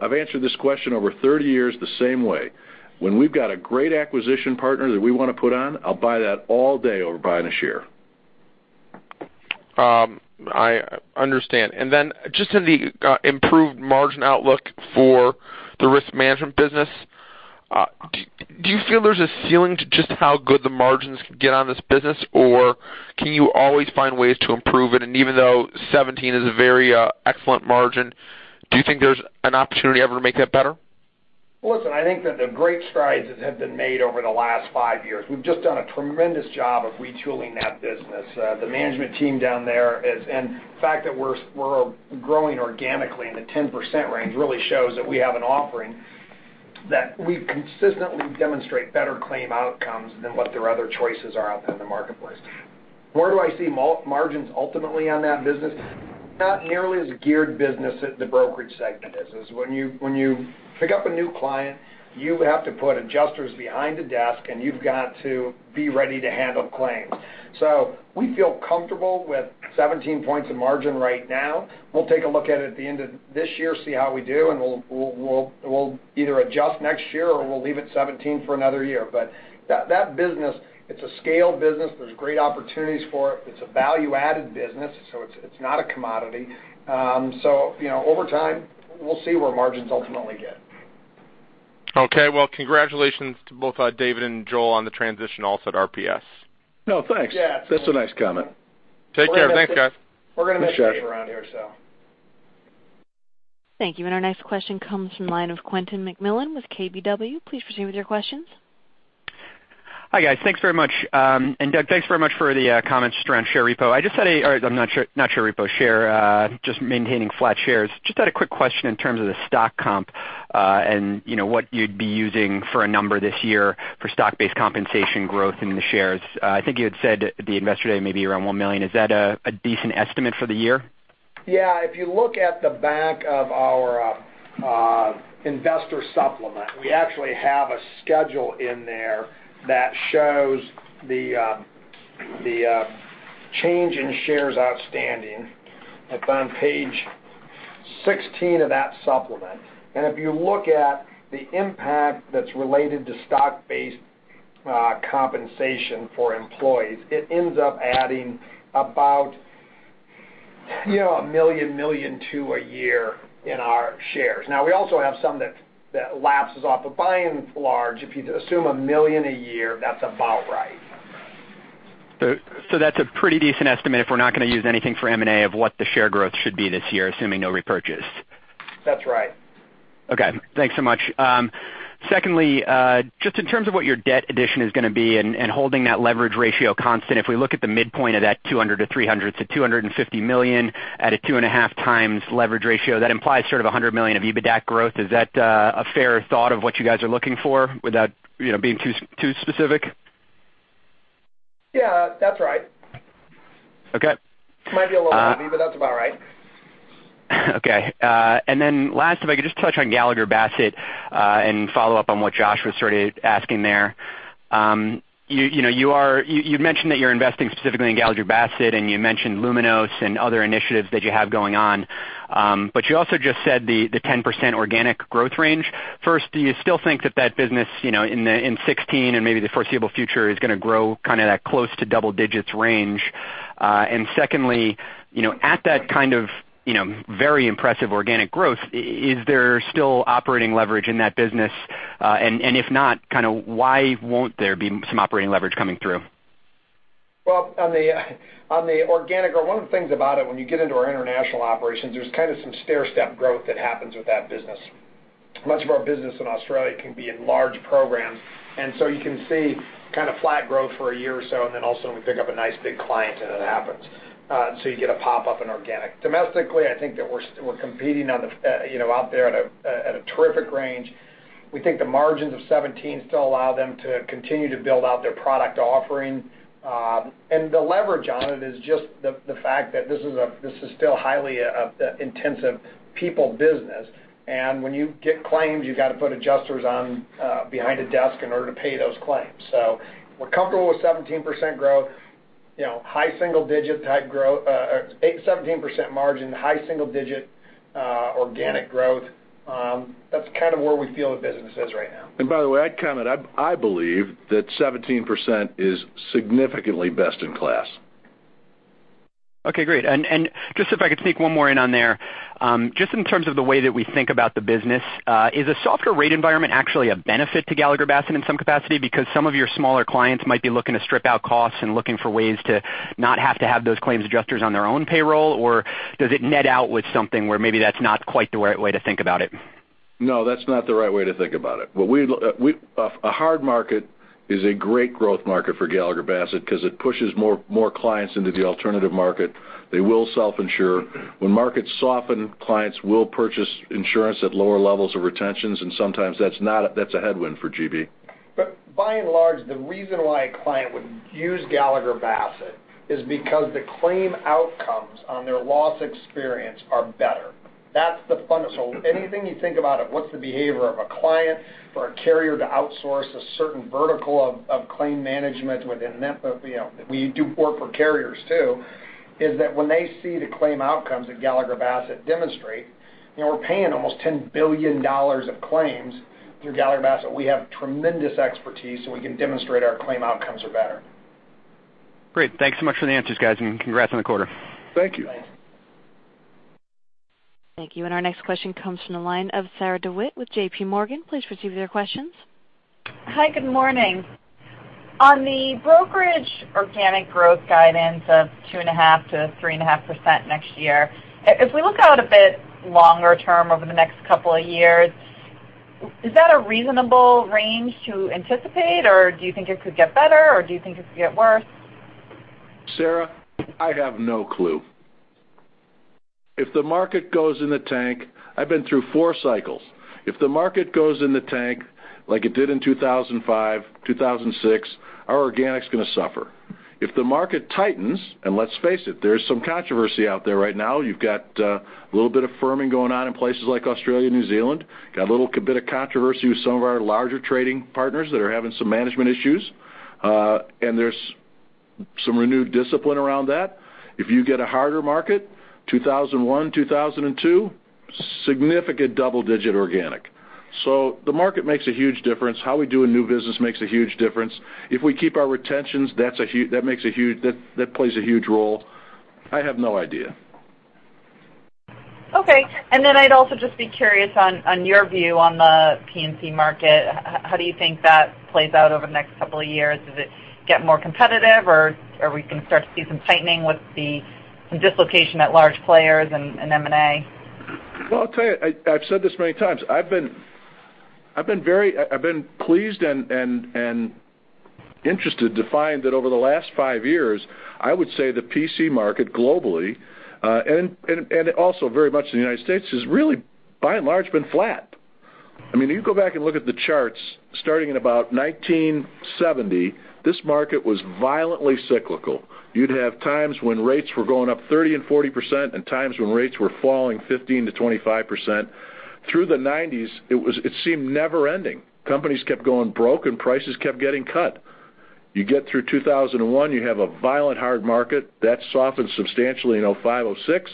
I've answered this question over 30 years the same way. When we've got a great acquisition partner that we want to put on, I'll buy that all day over buying a share. I understand. Then just in the improved margin outlook for the risk management business, do you feel there's a ceiling to just how good the margins could get on this business, or can you always find ways to improve it? Even though 17% is a very excellent margin, do you think there's an opportunity ever to make that better? Listen, I think that great strides have been made over the last five years. We've just done a tremendous job of retooling that business. The management team down there, and the fact that we're growing organically in the 10% range really shows that we have an offering, that we consistently demonstrate better claim outcomes than what their other choices are out there in the marketplace. Where do I see margins ultimately on that business? Not nearly as a geared business as the brokerage segment is. When you pick up a new client, you have to put adjusters behind the desk, and you've got to be ready to handle claims. We feel comfortable with 17 points of margin right now. We'll take a look at it at the end of this year, see how we do, we'll either adjust next year or we'll leave it 17% for another year. That business, it's a scale business. There's great opportunities for it. It's a value-added business, it's not a commodity. Over time, we'll see where margins ultimately get. Okay. Well, congratulations to both David and Joel on the transition also at RPS. Oh, thanks. Yeah. That's a nice comment. Take care. Thanks, guys. We're going to miss Dave around here, so. Thank you. Our next question comes from the line of Quentin McMillan with KBW. Please proceed with your questions. Hi, guys. Thanks very much. Doug, thanks very much for the comments just around share repo. Or not share repo, share, just maintaining flat shares. Just had a quick question in terms of the stock comp, and what you'd be using for a number this year for stock-based compensation growth in the shares. I think you had said at the Investor Day, maybe around one million. Is that a decent estimate for the year? Yeah. If you look at the back of our investor supplement, we actually have a schedule in there that shows the change in shares outstanding. It's on page 16 of that supplement. If you look at the impact that's related to stock-based compensation for employees, it ends up adding about a million two a year in our shares. Now, we also have some that lapses off. By and large, if you assume a million a year, that's about right. That's a pretty decent estimate if we're not going to use anything for M&A of what the share growth should be this year, assuming no repurchase. That's right. Okay. Thanks so much. Secondly, just in terms of what your debt addition is going to be and holding that leverage ratio constant, if we look at the midpoint of that $200 million-$300 million, so $250 million at a 2.5 times leverage ratio, that implies sort of $100 million of EBITDA growth. Is that a fair thought of what you guys are looking for without being too specific? Yeah, that's right. Okay. Might be a little heavy, but that's about right. Last, if I could just touch on Gallagher Bassett, and follow up on what Josh was sort of asking there. You've mentioned that you're investing specifically in Gallagher Bassett, and you mentioned LUMINOS and other initiatives that you have going on. You also just said the 10% organic growth range. First, do you still think that that business, in 2016 and maybe the foreseeable future, is going to grow kind of that close to double digits range? Secondly, at that kind of very impressive organic growth, is there still operating leverage in that business? If not, kind of why won't there be some operating leverage coming through? Well, on the organic growth, one of the things about it, when you get into our international operations, there's some stairstep growth that happens with that business. Much of our business in Australia can be in large programs, so you can see flat growth for a year or so, then all of a sudden we pick up a nice big client, and it happens. You get a pop up in organic. Domestically, I think that we're competing out there at a terrific range. We think the margins of 2017 still allow them to continue to build out their product offering. The leverage on it is just the fact that this is still a highly intensive people business. When you get claims, you've got to put adjusters behind a desk in order to pay those claims. We're comfortable with 17% growth, 17% margin, high single-digit organic growth. That's where we feel the business is right now. By the way, I'd comment, I believe that 17% is significantly best in class. Okay, great. Just if I could sneak one more in on there, just in terms of the way that we think about the business, is a softer rate environment actually a benefit to Gallagher Bassett in some capacity? Because some of your smaller clients might be looking to strip out costs and looking for ways to not have to have those claims adjusters on their own payroll, or does it net out with something where maybe that's not quite the right way to think about it? No, that's not the right way to think about it. A hard market is a great growth market for Gallagher Bassett because it pushes more clients into the alternative market. They will self-insure. When markets soften, clients will purchase insurance at lower levels of retentions, and sometimes that's a headwind for GB. By and large, the reason why a client would use Gallagher Bassett is because the claim outcomes on their loss experience are better. That's the fundamental. Anything you think about of what's the behavior of a client for a carrier to outsource a certain vertical of claim management within that, we do work for carriers too, is that when they see the claim outcomes that Gallagher Bassett demonstrate, we're paying almost $10 billion of claims through Gallagher Bassett. We have tremendous expertise, we can demonstrate our claim outcomes are better. Great. Thanks so much for the answers, guys, and congrats on the quarter. Thank you. Thanks. Thank you. Our next question comes from the line of Sarah DeWitt with J.P. Morgan. Please proceed with your questions. Hi, good morning. On the brokerage organic growth guidance of 2.5%-3.5% next year, as we look out a bit longer term over the next couple of years, is that a reasonable range to anticipate, or do you think it could get better, or do you think it could get worse? Sarah, I have no clue. I've been through four cycles. If the market goes in the tank like it did in 2005, 2006, our organic's going to suffer. If the market tightens, and let's face it, there's some controversy out there right now. You've got a little bit of firming going on in places like Australia and New Zealand, got a little bit of controversy with some of our larger trading partners that are having some management issues, and there's some renewed discipline around that. If you get a harder market, 2001, 2002, significant double-digit organic. The market makes a huge difference. How we do in new business makes a huge difference. If we keep our retentions, that plays a huge role. I have no idea. Okay. I'd also just be curious on your view on the P&C market. How do you think that plays out over the next couple of years? Does it get more competitive, or we can start to see some tightening with the dislocation at large players and M&A? Well, I'll tell you, I've said this many times. I've been pleased and interested to find that over the last five years, I would say the P&C market globally, and also very much in the U.S., has really, by and large, been flat. You go back and look at the charts starting in about 1970, this market was violently cyclical. You'd have times when rates were going up 30%-40%, and times when rates were falling 15%-25%. Through the '90s, it seemed never-ending. Companies kept going broke, and prices kept getting cut. You get through 2001, you have a violent, hard market. That softened substantially in 2005, 2006.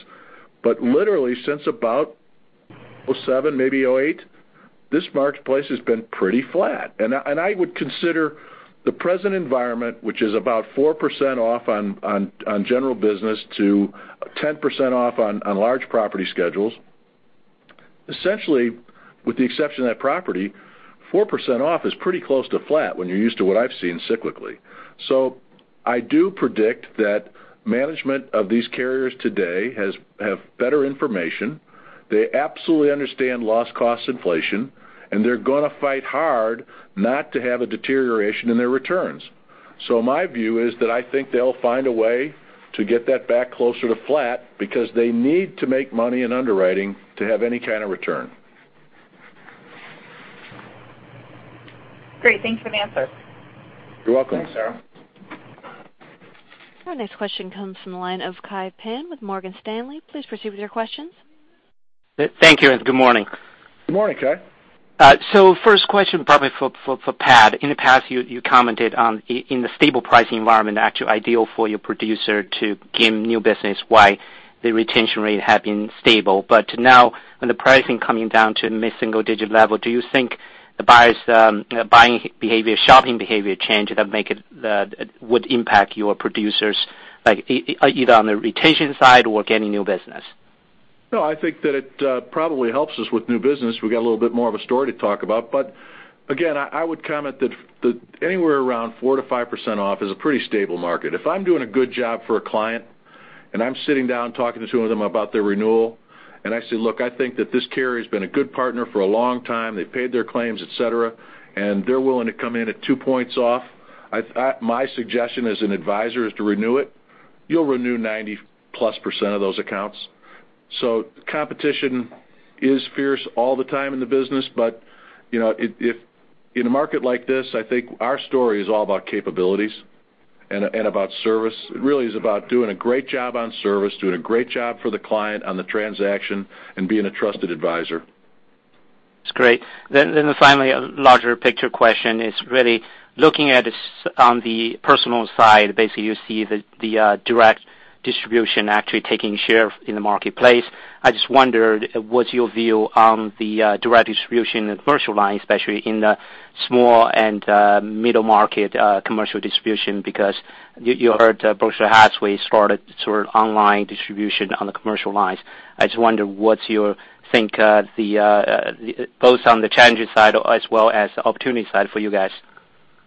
Literally since about 2007, maybe 2008, this marketplace has been pretty flat. I would consider the present environment, which is about 4% off on general business to 10% off on large property schedules. Essentially, with the exception of that property, 4% off is pretty close to flat when you're used to what I've seen cyclically. I do predict that management of these carriers today have better information. They absolutely understand loss cost inflation, and they're going to fight hard not to have a deterioration in their returns. My view is that I think they'll find a way to get that back closer to flat because they need to make money in underwriting to have any kind of return. Great. Thanks for the answer. You're welcome. Thanks, Sarah. Our next question comes from the line of Kai Pan with Morgan Stanley. Please proceed with your questions. Thank you, good morning. Good morning, Kai. First question, probably for Pat. In the past, you commented on, in the stable pricing environment, actually ideal for your producer to gain new business while the retention rate have been stable. Now when the pricing coming down to mid-single digit level, do you think the buyers' buying behavior, shopping behavior change that would impact your producers, either on the retention side or getting new business? No, I think that it probably helps us with new business. We got a little bit more of a story to talk about, but again, I would comment that anywhere around 4%-5% off is a pretty stable market. If I'm doing a good job for a client, and I'm sitting down talking to them about their renewal, and I say, "Look, I think that this carrier has been a good partner for a long time. They've paid their claims, et cetera, and they're willing to come in at two points off. My suggestion as an advisor is to renew it," you'll renew 90-plus % of those accounts. The competition is fierce all the time in the business, but in a market like this, I think our story is all about capabilities and about service. It really is about doing a great job on service, doing a great job for the client on the transaction, and being a trusted advisor. That's great. Finally, a larger picture question is really looking at on the personal side, basically you see the direct distribution actually taking share in the marketplace. I just wondered what's your view on the direct distribution and commercial line, especially in the small and middle market commercial distribution, because you heard Berkshire Hathaway started online distribution on the commercial lines. I just wonder what's your take both on the challenges side as well as the opportunity side for you guys?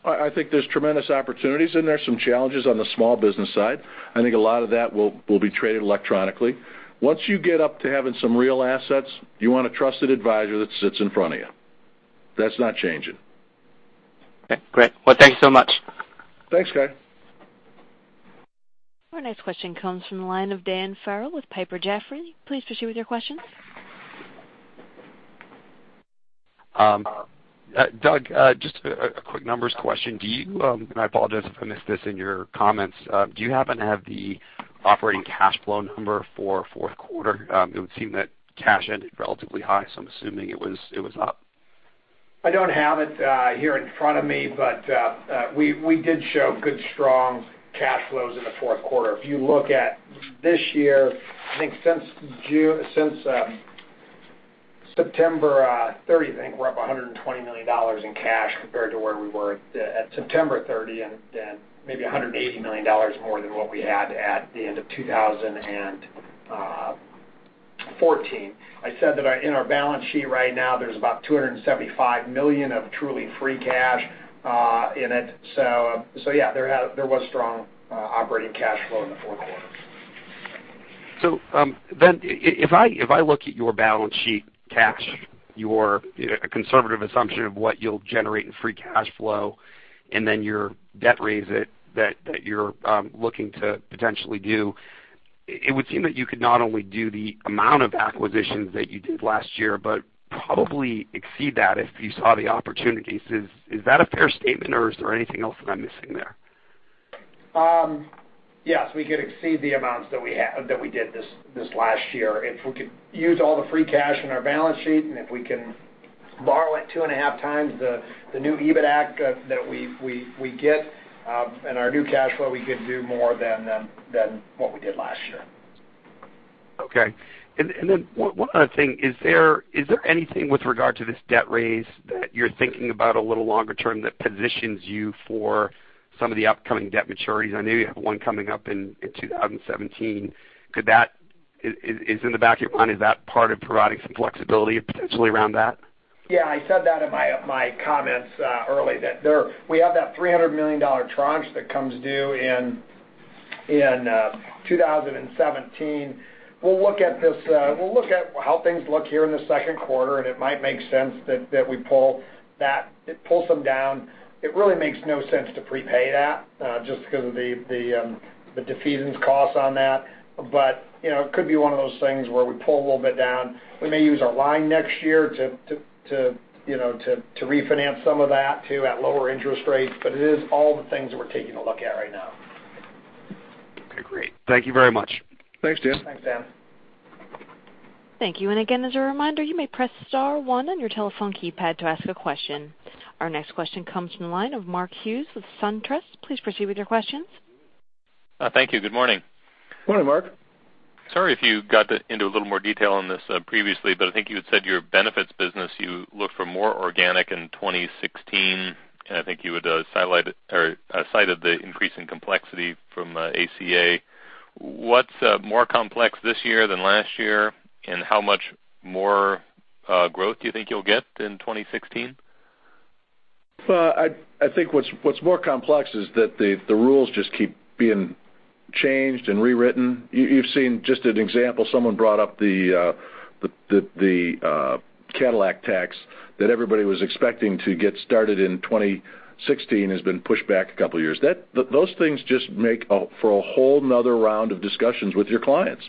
I think there's tremendous opportunities, and there's some challenges on the small business side. I think a lot of that will be traded electronically. Once you get up to having some real assets, you want a trusted advisor that sits in front of you. That's not changing. Okay, great. Well, thank you so much. Thanks, Kai. Our next question comes from the line of Daniel Farrell with Piper Jaffray. Please proceed with your questions. Doug, just a quick numbers question. I apologize if I missed this in your comments. Do you happen to have the operating cash flow number for fourth quarter? It would seem that cash ended relatively high, so I am assuming it was up. I don't have it here in front of me, we did show good, strong cash flows in the fourth quarter. If you look at this year, I think since September 30, I think we are up $120 million in cash compared to where we were at September 30, and maybe $180 million more than what we had at the end of 2014. I said that in our balance sheet right now, there is about $275 million of truly free cash in it. Yeah, there was strong operating cash flow in the fourth quarter. If I look at your balance sheet cash, your conservative assumption of what you'll generate in free cash flow, and your debt raise that you're looking to potentially do, it would seem that you could not only do the amount of acquisitions that you did last year, but probably exceed that if you saw the opportunities. Is that a fair statement, or is there anything else that I'm missing there? Yes, we could exceed the amounts that we did this last year. If we could use all the free cash in our balance sheet, and if we can borrow at 2 and a half times the new EBITAC that we get and our new cash flow, we could do more than what we did last year. Okay. One other thing, is there anything with regard to this debt raise that you're thinking about a little longer term that positions you for some of the upcoming debt maturities? I know you have one coming up in 2017. Is it in the back of your mind, is that part of providing some flexibility potentially around that? Yeah, I said that in my comments early, that we have that $300 million tranche that comes due in 2017. We'll look at how things look here in the second quarter, and it might make sense that we pull some down. It really makes no sense to prepay that, just because of the defeasance costs on that. It could be one of those things where we pull a little bit down. We may use our line next year to refinance some of that, too, at lower interest rates. It is all the things that we're taking a look at right now. Okay, great. Thank you very much. Thanks, Dan. Thanks, Dan. Thank you. Again, as a reminder, you may press star one on your telephone keypad to ask a question. Our next question comes from the line of Mark Hughes with SunTrust. Please proceed with your questions. Thank you. Good morning. Good morning, Mark. Sorry if you got into a little more detail on this previously, but I think you had said your benefits business, you look for more organic in 2016, and I think you had cited the increase in complexity from ACA. What's more complex this year than last year, and how much more growth do you think you'll get in 2016? I think what's more complex is that the rules just keep being changed and rewritten. You've seen just an example. Someone brought up the Cadillac Tax that everybody was expecting to get started in 2016, has been pushed back a couple of years. Those things just make for a whole another round of discussions with your clients.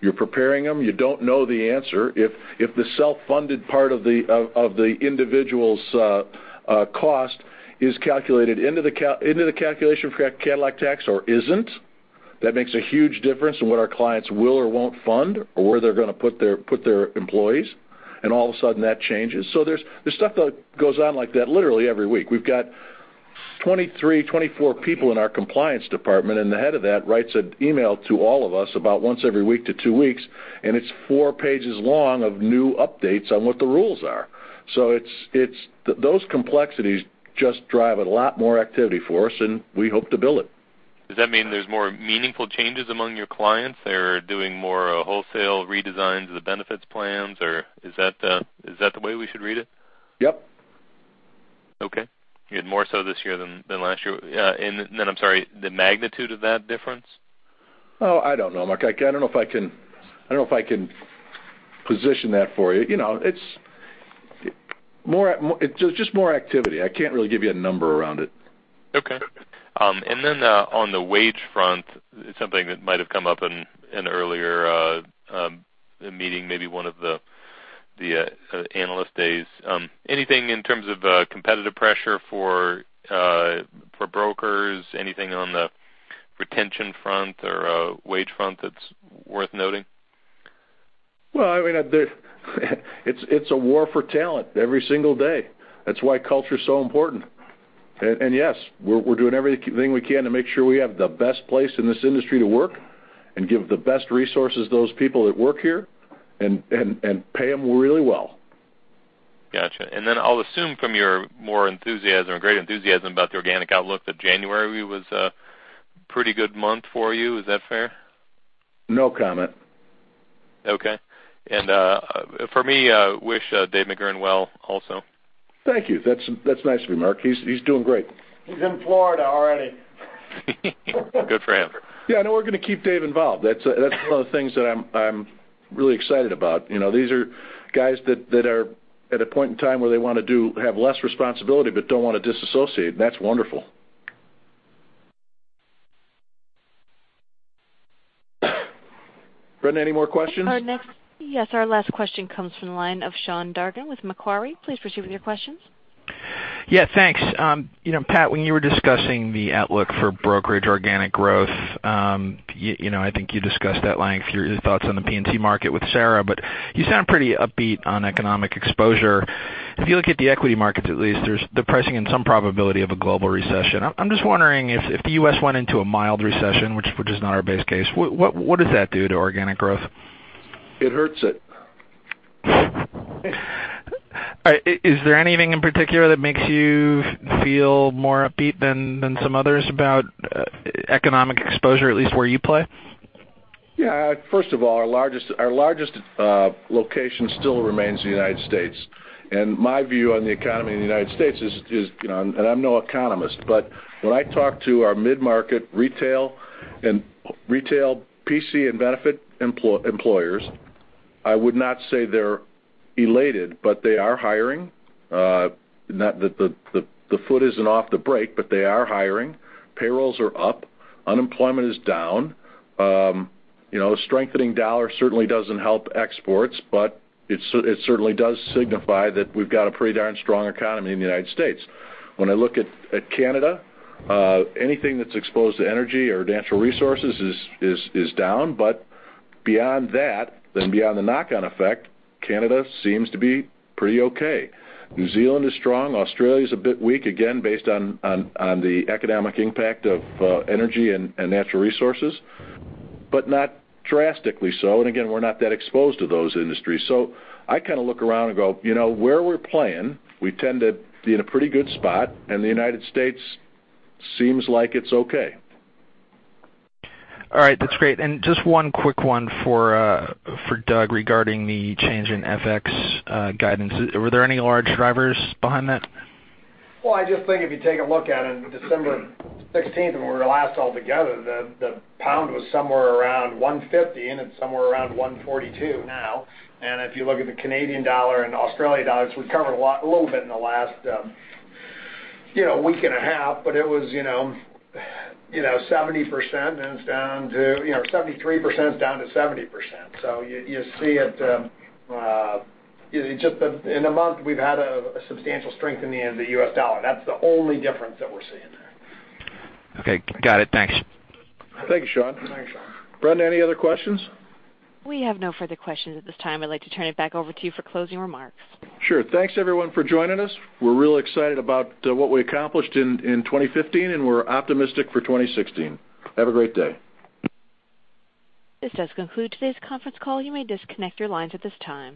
You're preparing them. You don't know the answer. If the self-funded part of the individual's cost is calculated into the calculation for Cadillac Tax or isn't, that makes a huge difference in what our clients will or won't fund or where they're going to put their employees, and all of a sudden that changes. There's stuff that goes on like that literally every week. We've got 23, 24 people in our compliance department, and the head of that writes an email to all of us about once every week to two weeks, and it's four pages long of new updates on what the rules are. Those complexities just drive a lot more activity for us, and we hope to bill it. Does that mean there's more meaningful changes among your clients? They're doing more wholesale redesigns of the benefits plans, or is that the way we should read it? Yep. Okay. Yet more so this year than last year. I'm sorry, the magnitude of that difference? Oh, I don't know, Mark. I don't know if I can position that for you. It's just more activity. I can't really give you a number around it. Okay. On the wage front, something that might have come up in an earlier meeting, maybe one of the analyst days. Anything in terms of competitive pressure for brokers, anything on the retention front or wage front that's worth noting? Well, it's a war for talent every single day. That's why culture is so important. Yes, we're doing everything we can to make sure we have the best place in this industry to work, and give the best resources to those people that work here, and pay them really well. Got you. I'll assume from your more enthusiasm or great enthusiasm about the organic outlook that January was a pretty good month for you. Is that fair? No comment. Okay. For me, wish Dave McGurn well also. Thank you. That's nice of you, Mark. He's doing great. He's in Florida already. Good for him. Yeah, no, we're going to keep Dave involved. That's one of the things that I'm really excited about. These are guys that are at a point in time where they want to have less responsibility but don't want to disassociate, and that's wonderful. Brenda, any more questions? Pardon. Next. Yes, our last question comes from the line of Sean Dargan with Macquarie. Please proceed with your questions. Yeah, thanks. Pat, when you were discussing the outlook for brokerage organic growth, I think you discussed at length your thoughts on the P&C market with Sarah, but you sound pretty upbeat on economic exposure. If you look at the equity markets, at least, there's the pricing and some probability of a global recession. I'm just wondering if the U.S. went into a mild recession, which is not our base case, what does that do to organic growth? It hurts it. Is there anything in particular that makes you feel more upbeat than some others about economic exposure, at least where you play? Yeah. First of all, our largest location still remains the United States. My view on the economy in the United States is, and I'm no economist, but when I talk to our mid-market retail P&C and benefit employers, I would not say they're elated, but they are hiring. The foot isn't off the brake, but they are hiring. Payrolls are up. Unemployment is down. A strengthening dollar certainly doesn't help exports, but it certainly does signify that we've got a pretty darn strong economy in the United States. Beyond that, then beyond the knock-on effect, Canada seems to be pretty okay. New Zealand is strong. Australia's a bit weak, again, based on the economic impact of energy and natural resources, but not drastically so. Again, we're not that exposed to those industries. I kind of look around and go, where we're playing, we tend to be in a pretty good spot, and the United States seems like it's okay. All right. That's great. Just one quick one for Doug regarding the change in FX guidance. Were there any large drivers behind that? Well, I just think if you take a look at it, December 16th, when we were last all together, the pound was somewhere around $1.50, and it's somewhere around $1.42 now. If you look at the Canadian dollar and Australian dollars, we've covered a little bit in the last week and a half, but it was 73%, now it's down to 70%. In a month, we've had a substantial strength in the U.S. dollar. That's the only difference that we're seeing there. Okay. Got it. Thanks. Thank you, Sean. Thanks, Sean. Brenda, any other questions? We have no further questions at this time. I'd like to turn it back over to you for closing remarks. Sure. Thanks everyone for joining us. We're real excited about what we accomplished in 2015, and we're optimistic for 2016. Have a great day. This does conclude today's conference call. You may disconnect your lines at this time.